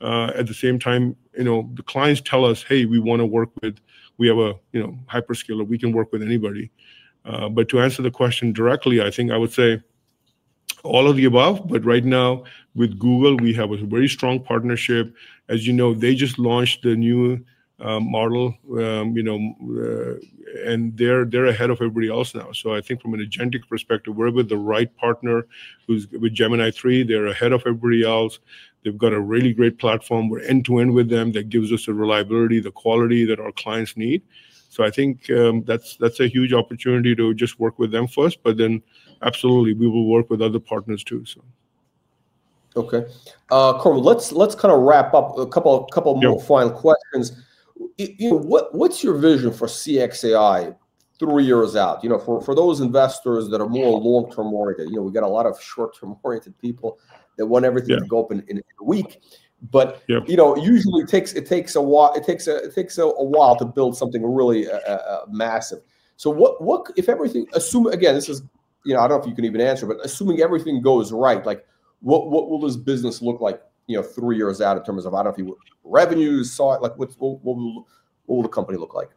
At the same time, you know, the clients tell us, "Hey, we want to work with, we have a, you know, hyperscaler, we can work with anybody." But to answer the question directly, I think I would say all of the above. But right now with Google, we have a very strong partnership. As you know, they just launched the new model, you know, and they're ahead of everybody else now. So I think from an agentic perspective, we're with the right partner with Gemini 3. They're ahead of everybody else. They've got a really great platform. We're end to end with them, that gives us the reliability, the quality that our clients need. So I think that's a huge opportunity to just work with them first, but then absolutely we will work with other partners too. Okay. Khurram, let's kind of wrap up a couple more final questions. You know, what's your vision for CXAI three years out? You know, for those investors that are more long-term oriented, you know, we've got a lot of short-term oriented people that want everything to go up in a week. But, you know, usually it takes a while, it takes a while to build something really massive. So what if everything, assuming again, this is, you know, I don't know if you can even answer, but assuming everything goes right, like what will this business look like, you know, three years out in terms of, I don't know, revenue, say, like what will the company look like?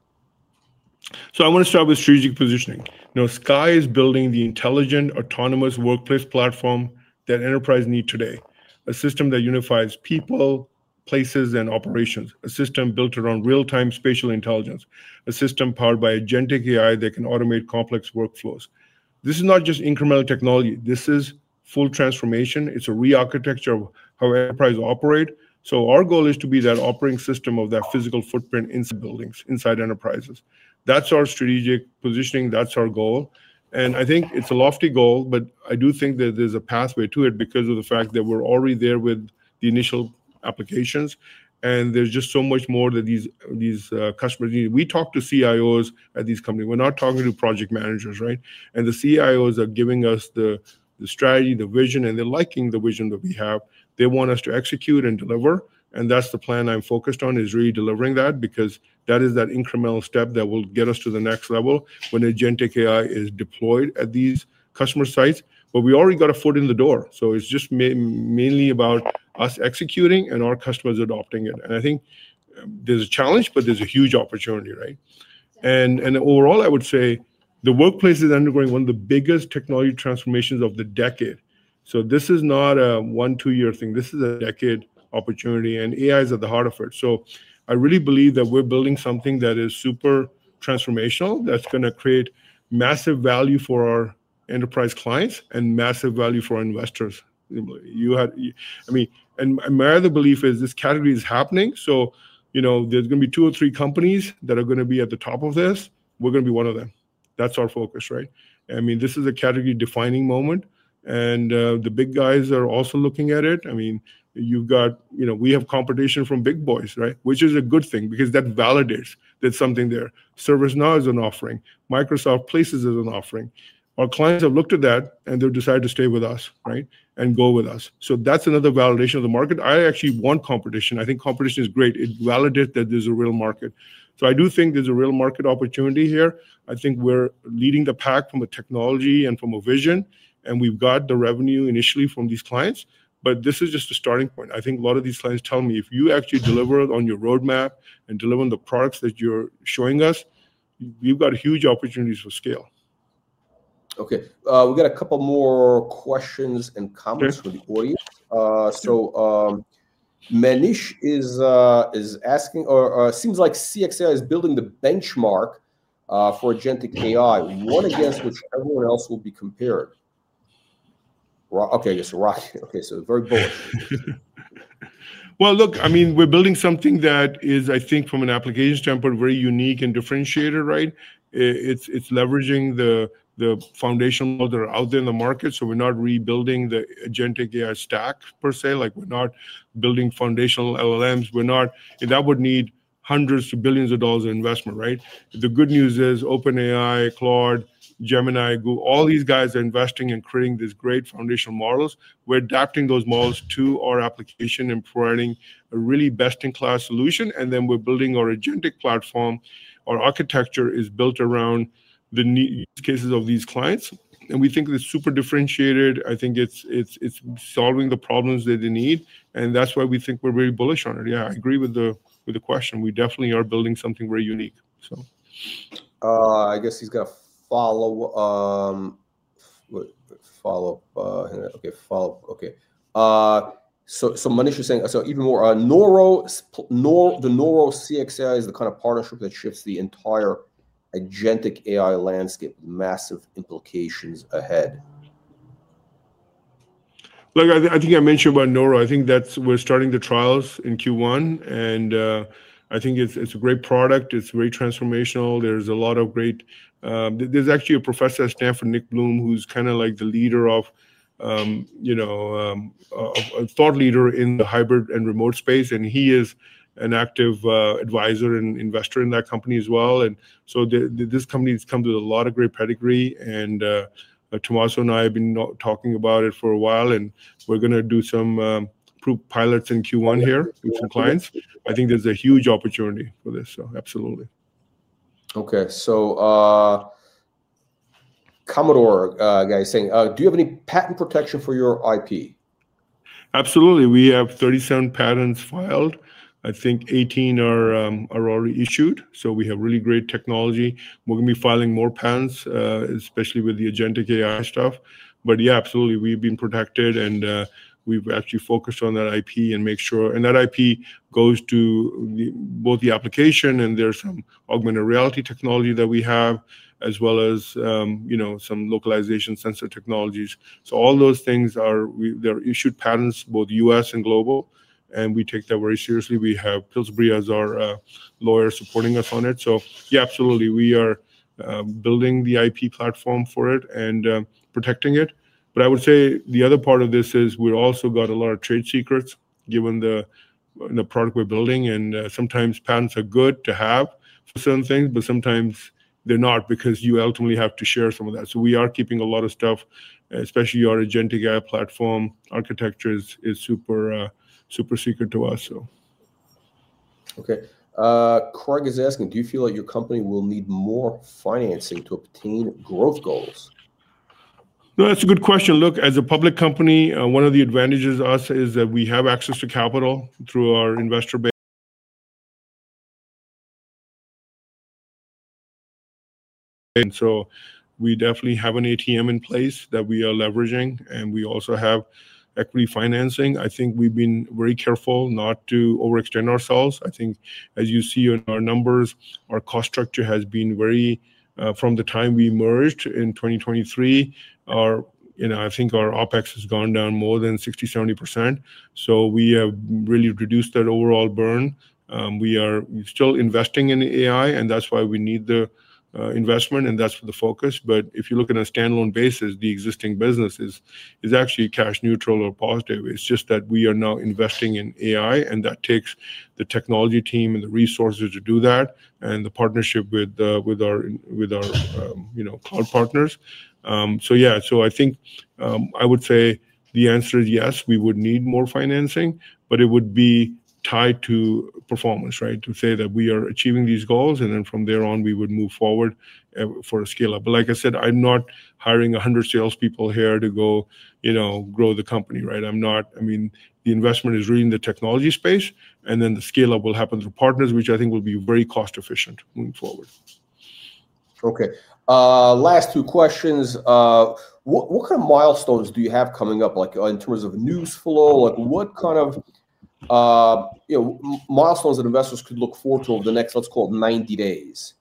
So I want to start with strategic positioning. You know, Sky is building the intelligent autonomous workplace platform that enterprises need today. A system that unifies people, places, and operations. A system built around real-time spatial intelligence. A system powered by agentic AI that can automate complex workflows. This is not just incremental technology. This is full transformation. It's a re-architecture of how enterprises operate. So our goal is to be that operating system of that physical footprint inside buildings, inside enterprises. That's our strategic positioning. That's our goal. And I think it's a lofty goal, but I do think that there's a pathway to it because of the fact that we're already there with the initial applications. And there's just so much more that these customers need. We talk to CIOs at these companies. We're not talking to project managers, right? And the CIOs are giving us the strategy, the vision, and they're liking the vision that we have. They want us to execute and deliver. And that's the plan I'm focused on is really delivering that because that is that incremental step that will get us to the next level when Agentic AI is deployed at these customer sites. But we already got a foot in the door. So it's just mainly about us executing and our customers adopting it. And I think there's a challenge, but there's a huge opportunity, right? And overall, I would say the workplace is undergoing one of the biggest technology transformations of the decade. So this is not a one, two-year thing. This is a decade opportunity. And AI is at the heart of it. So I really believe that we're building something that is super transformational that's going to create massive value for our enterprise clients and massive value for our investors. I mean, and my other belief is this category is happening. So, you know, there's going to be two or three companies that are going to be at the top of this. We're going to be one of them. That's our focus, right? I mean, this is a category defining moment. And the big guys are also looking at it. I mean, you've got, you know, we have competition from big boys, right? Which is a good thing because that validates that something there. ServiceNow is an offering. Microsoft Places is an offering. Our clients have looked at that and they've decided to stay with us, right? And go with us. So that's another validation of the market. I actually want competition. I think competition is great. It validates that there's a real market. So I do think there's a real market opportunity here. I think we're leading the pack from a technology and from a vision. And we've got the revenue initially from these clients. But this is just a starting point. I think a lot of these clients tell me, if you actually deliver on your roadmap and deliver on the products that you're showing us, we've got huge opportunities for scale. Okay. We've got a couple more questions and comments for the audience. So Manish is asking, or it seems like CXAI is building the benchmark for agentic AI, one against which everyone else will be compared. Right? Okay. Yes. Right. Okay. So very bullish. Look, I mean, we're building something that is, I think, from an application standpoint, very unique and differentiated, right? It's leveraging the foundational model out there in the market. We're not rebuilding the agentic AI stack per se. Like we're not building foundational LLMs. We're not, and that would need hundreds to billions of dollars of investment, right? The good news is OpenAI, Claude, Gemini, Google, all these guys are investing and creating these great foundational models. We're adapting those models to our application and providing a really best-in-class solution. We're building our agentic platform. Our architecture is built around the use cases of these clients. We think it's super differentiated. I think it's solving the problems that they need. That's why we think we're very bullish on it. Yeah, I agree with the question. We definitely are building something very unique. I guess he's got a follow-up. Okay. Follow-up. Okay. So Manish is saying, so even more, the Neuro CXAI is the kind of partnership that shifts the entire agentic AI landscape, massive implications ahead. Look, I think I mentioned about Neuro. I think that we're starting the trials in Q1. And I think it's a great product. It's very transformational. There's actually a professor at Stanford, Nick Bloom, who's kind of like the leader of, you know, a thought leader in the hybrid and remote space. And he is an active advisor and investor in that company as well. And so this company has come with a lot of great pedigree. And Tommaso and I have been talking about it for a while. And we're going to do some pilots in Q1 here with some clients. I think there's a huge opportunity for this. So absolutely. Okay. So Commodore guy is saying, "Do you have any patent protection for your IP? Absolutely. We have 37 patents filed. I think 18 are already issued. So we have really great technology. We're going to be filing more patents, especially with the agentic AI stuff. But yeah, absolutely. We've been protected. And we've actually focused on that IP and make sure, and that IP goes to both the application and there's some augmented reality technology that we have, as well as, you know, some localization sensor technologies. So all those things are, there are issued patents, both U.S. and global. And we take that very seriously. We have Pillsbury as our lawyer supporting us on it. So yeah, absolutely. We are building the IP platform for it and protecting it. But I would say the other part of this is we've also got a lot of trade secrets given the product we're building. Sometimes patents are good to have for certain things, but sometimes they're not because you ultimately have to share some of that. We are keeping a lot of stuff, especially our agentic AI platform architecture is super secret to us. Okay. Craig is asking, do you feel like your company will need more financing to obtain growth goals? That's a good question. Look, as a public company, one of the advantages to us is that we have access to capital through our investor. And so we definitely have an ATM in place that we are leveraging. And we also have equity financing. I think we've been very careful not to overextend ourselves. I think as you see in our numbers, our cost structure has been very, from the time we merged in 2023, our, you know, I think our OpEx has gone down more than 60%-70%. So we have really reduced that overall burn. We are still investing in AI, and that's why we need the investment, and that's the focus. But if you look at a standalone basis, the existing business is actually cash neutral or positive. It's just that we are now investing in AI, and that takes the technology team and the resources to do that and the partnership with our, you know, cloud partners. So yeah, so I think I would say the answer is yes, we would need more financing, but it would be tied to performance, right? To say that we are achieving these goals, and then from there on, we would move forward for a scale-up. But like I said, I'm not hiring a hundred salespeople here to go, you know, grow the company, right? I'm not, I mean, the investment is really in the technology space, and then the scale-up will happen through partners, which I think will be very cost-efficient moving forward. Okay. Last two questions. What kind of milestones do you have coming up, like in terms of news flow? Like what kind of, you know, milestones that investors could look forward to over the next, let's call it 90 days?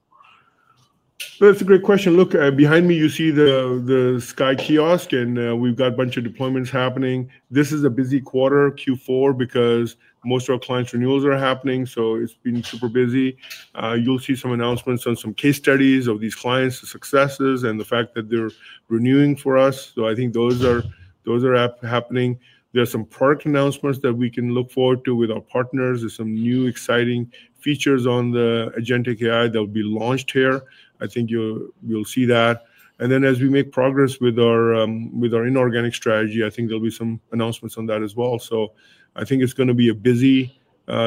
That's a great question. Look, behind me, you see the Sky Kiosk, and we've got a bunch of deployments happening. This is a busy quarter, Q4, because most of our clients' renewals are happening. So it's been super busy. You'll see some announcements on some case studies of these clients, the successes, and the fact that they're renewing for us. So I think those are happening. There are some product announcements that we can look forward to with our partners. There's some new exciting features on the agentic AI that will be launched here. I think you'll see that. And then as we make progress with our inorganic strategy, I think there'll be some announcements on that as well. So I think it's going to be a busy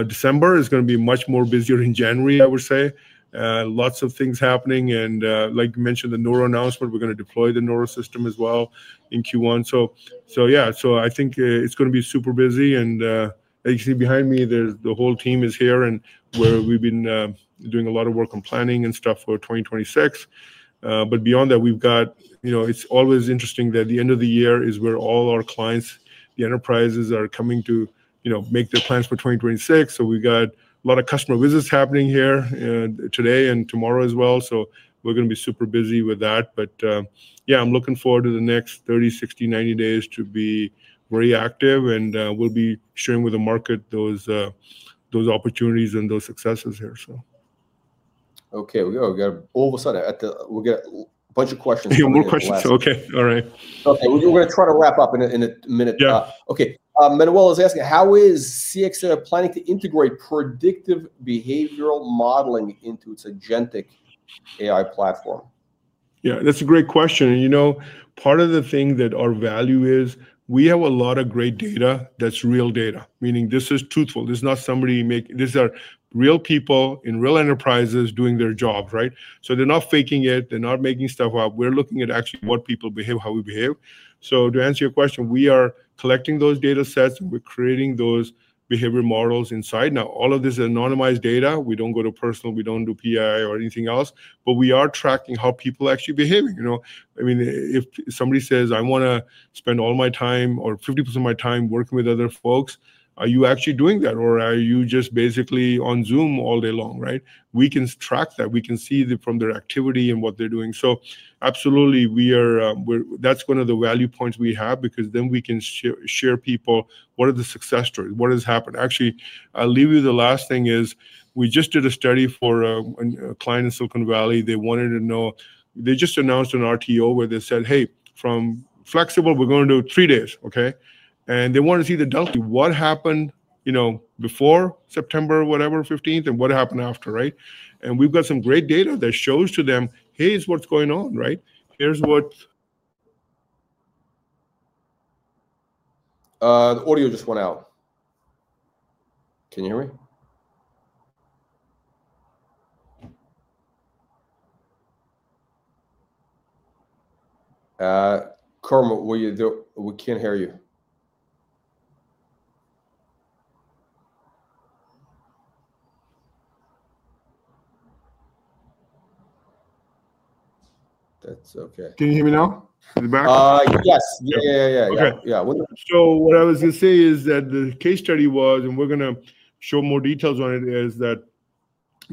December. It's going to be much more busier in January, I would say. Lots of things happening. And like you mentioned, the Neuro announcement, we're going to deploy the Neuro system as well in Q1. So yeah, so I think it's going to be super busy. And as you see behind me, the whole team is here, and we've been doing a lot of work on planning and stuff for 2026. But beyond that, we've got, you know, it's always interesting that the end of the year is where all our clients, the enterprises are coming to, you know, make their plans for 2026. So we've got a lot of customer visits happening here today and tomorrow as well. So we're going to be super busy with that. But yeah, I'm looking forward to the next 30, 60, 90 days to be very active. And we'll be sharing with the market those opportunities and those successes here. Okay. We got all of a sudden, we've got a bunch of questions. Yeah, more questions. Okay. All right. Okay. We're going to try to wrap up in a minute. Okay. Manuel is asking, how is CXAI planning to integrate predictive behavioral modeling into its agentic AI platform? Yeah, that's a great question. You know, part of the thing that our value is, we have a lot of great data that's real data. Meaning this is truthful. This is not somebody making, these are real people in real enterprises doing their jobs, right? So they're not faking it. They're not making stuff up. We're looking at actually what people behave, how we behave. So to answer your question, we are collecting those data sets. We're creating those behavior models inside. Now, all of this is anonymized data. We don't go to personal. We don't do PII or anything else. But we are tracking how people actually behave. You know, I mean, if somebody says, I want to spend all my time or 50% of my time working with other folks, are you actually doing that? Or are you just basically on Zoom all day long, right? We can track that. We can see from their activity and what they're doing. So absolutely, that's one of the value points we have because then we can share people what are the success stories. What has happened? Actually, I'll leave you with the last thing is we just did a study for a client in Silicon Valley. They wanted to know, they just announced an RTO where they said, hey, from flexible, we're going to do three days. Okay. And they want to see the delta what happened, you know, before September, whatever, 15th, and what happened after, right? And we've got some great data that shows to them, here's what's going on, right? Here's what. The audio just went out. Can you hear me? Khurram, we can't hear you. That's okay. Can you hear me now? Is it back? Yes. Yeah, yeah, yeah. Yeah. So what I was going to say is that the case study was, and we're going to show more details on it, is that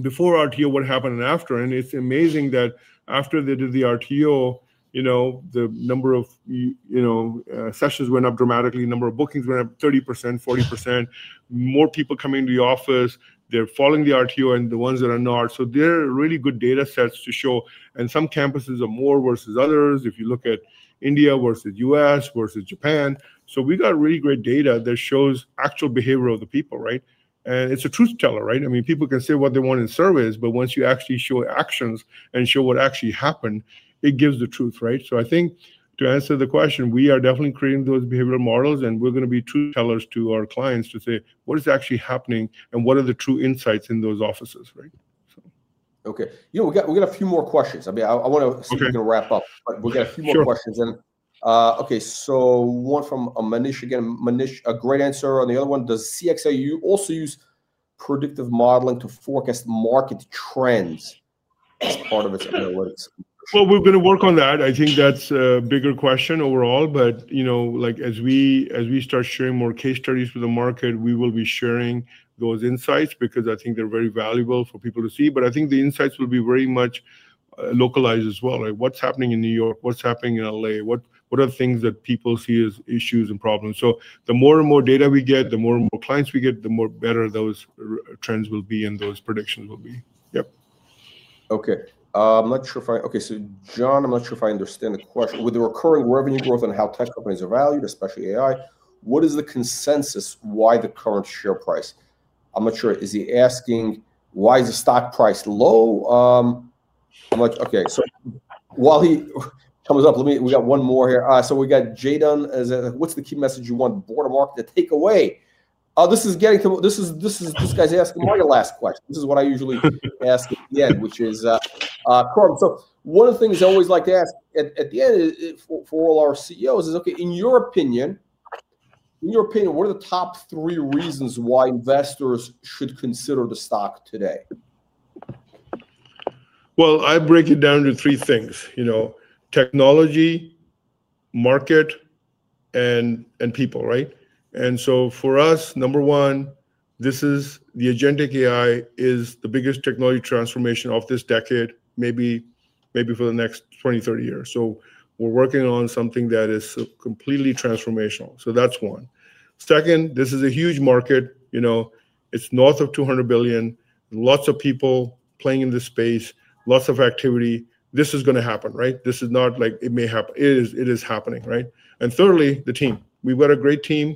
before RTO, what happened and after. And it's amazing that after they did the RTO, you know, the number of, you know, sessions went up dramatically. Number of bookings went up 30%- 40%. More people coming to the office. They're following the RTO and the ones that are not. So they're really good data sets to show. And some campuses are more versus others. If you look at India versus U.S. versus Japan. So we got really great data that shows actual behavior of the people, right? And it's a truth teller, right? I mean, people can say what they want in surveys, but once you actually show actions and show what actually happened, it gives the truth, right? So I think to answer the question, we are definitely creating those behavioral models, and we're going to be truth tellers to our clients to say, what is actually happening and what are the true insights in those offices, right? Okay. You know, we've got a few more questions. I mean, I want to see if we can wrap up, but we've got a few more questions, and okay, so one from Manish again. Manish, a great answer, and the other one, does CXAI also use predictive modeling to forecast market trends as part of its analytics? We're going to work on that. I think that's a bigger question overall. But you know, like as we start sharing more case studies with the market, we will be sharing those insights because I think they're very valuable for people to see. But I think the insights will be very much localized as well. Like what's happening in New York, what's happening in LA, what are the things that people see as issues and problems. So the more and more data we get, the more and more clients we get, the better those trends will be and those predictions will be. Yep. Okay. I'm not sure if I understand the question. With the recurring revenue growth and how tech companies are valued, especially AI, what is the consensus? Why the current share price? I'm not sure. Is he asking, why is the stock price low? I'm like, okay. So while he comes up, let me. We got one more here. So we got Jayden. What's the key message you want the broad market to take away? This is getting to this. This guy's asking my last question. This is what I usually ask at the end, which is, Khurram, so one of the things I always like to ask at the end for all our CEOs is, okay, in your opinion, what are the top three reasons why investors should consider the stock today? I break it down to three things, you know, technology, market, and people, right? And so for us, number one, this is the agentic AI is the biggest technology transformation of this decade, maybe for the next 20 years -30 years. So we're working on something that is completely transformational. So that's one. Second, this is a huge market, you know, it's north of $200 billion, lots of people playing in this space, lots of activity. This is going to happen, right? This is not like it may happen. It is happening, right? And thirdly, the team. We've got a great team.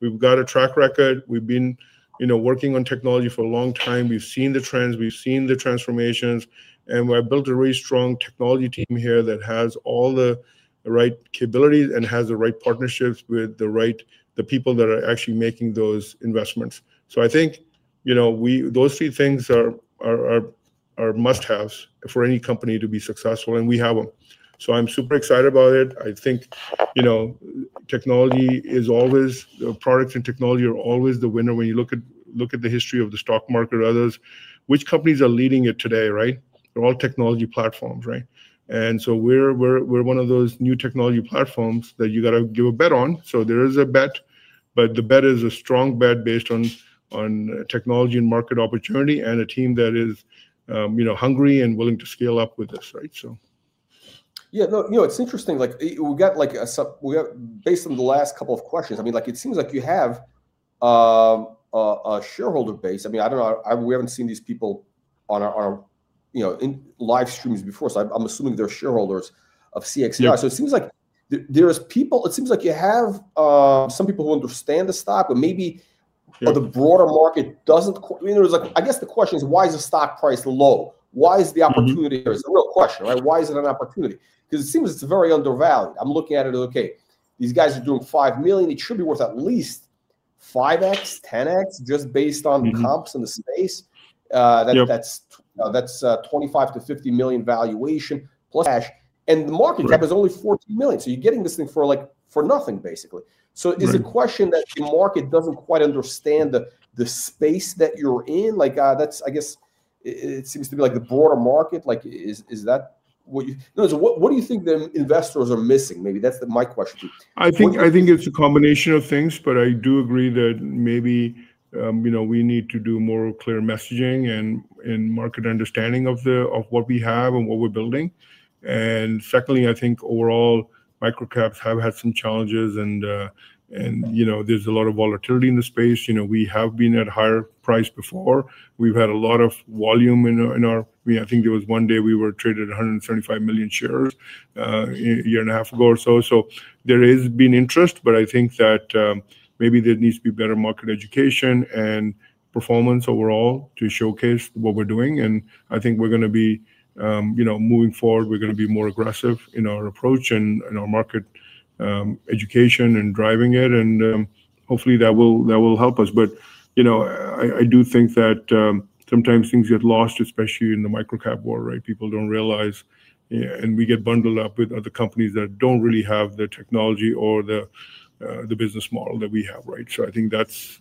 We've got a track record. We've been, you know, working on technology for a long time. We've seen the trends. We've seen the transformations. And we've built a really strong technology team here that has all the right capabilities and has the right partnerships with the right, the people that are actually making those investments. So I think, you know, those three things are must-haves for any company to be successful. And we have them. So I'm super excited about it. I think, you know, technology is always, products and technology are always the winner when you look at the history of the stock market or others. Which companies are leading it today, right? They're all technology platforms, right? And so we're one of those new technology platforms that you got to give a bet on. So there is a bet, but the bet is a strong bet based on technology and market opportunity and a team that is, you know, hungry and willing to scale-up with this, right? So. Yeah. No, you know, it's interesting. Like we've got based on the last couple of questions, I mean, like it seems like you have a shareholder base. I mean, I don't know, we haven't seen these people on our, you know, live streams before. So I'm assuming they're shareholders of CXApp. So it seems like there's people, it seems like you have some people who understand the stock, but maybe the broader market doesn't. I mean, it was like, I guess the question is, why is the stock price low? Why is the opportunity here? It's a real question, right? Why is it an opportunity? Because it seems it's very undervalued. I'm looking at it, okay, these guys are doing $5 million. It should be worth at least 5X-10X, just based on comps in the space. That's $25 million-$50 million valuation plus. Cash. And the market cap is only $14 million. So you're getting this thing for like for nothing, basically. So it's a question that the market doesn't quite understand the space that you're in. Like that's, I guess it seems to be like the broader market, like is that what you, what do you think the investors are missing? Maybe that's my question. I think it's a combination of things, but I do agree that maybe, you know, we need to do more clear messaging and market understanding of what we have and what we're building, and secondly, I think overall micro caps have had some challenges and, you know, there's a lot of volatility in the space. You know, we have been at higher price before. We've had a lot of volume in our, I mean, I think there was one day we were traded 175 million shares a year and a half ago or so. So there has been interest, but I think that maybe there needs to be better market education and performance overall to showcase what we're doing, and I think we're going to be, you know, moving forward, we're going to be more aggressive in our approach and in our market education and driving it. And hopefully that will help us. But you know, I do think that sometimes things get lost, especially in the micro cap world, right? People don't realize and we get bundled up with other companies that don't really have the technology or the business model that we have, right? So I think that's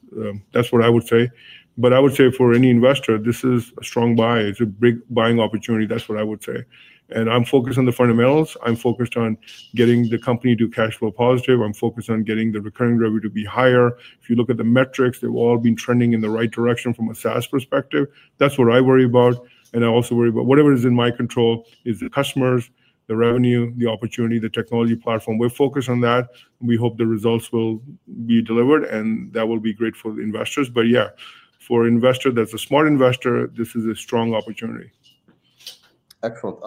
what I would say. But I would say for any investor, this is a strong buy. It's a big buying opportunity. That's what I would say. And I'm focused on the fundamentals. I'm focused on getting the company to cash flow positive. I'm focused on getting the recurring revenue to be higher. If you look at the metrics, they've all been trending in the right direction from a SaaS perspective. That's what I worry about. And I also worry about whatever is in my control is the customers, the revenue, the opportunity, the technology platform. We're focused on that. We hope the results will be delivered and that will be great for the investors. But yeah, for an investor that's a smart investor, this is a strong opportunity. Excellent.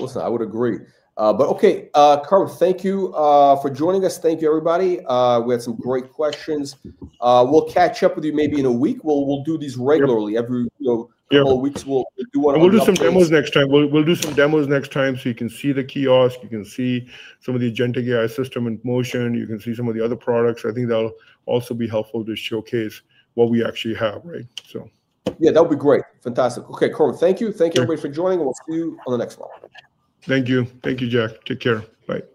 Listen, I would agree. But okay, Khurram, thank you for joining us. Thank you, everybody. We had some great questions. We'll catch up with you maybe in a week. We'll do these regularly. Every couple of weeks, we'll do one of these. We'll do some demos next time. We'll do some demos next time so you can see the kiosk. You can see some of the agentic AI system in motion. You can see some of the other products. I think that'll also be helpful to showcase what we actually have, right? Yeah, that'll be great. Fantastic. Okay, Khurram, thank you. Thank you, everybody, for joining. We'll see you on the next one. Thank you. Thank you, Jack. Take care. Bye.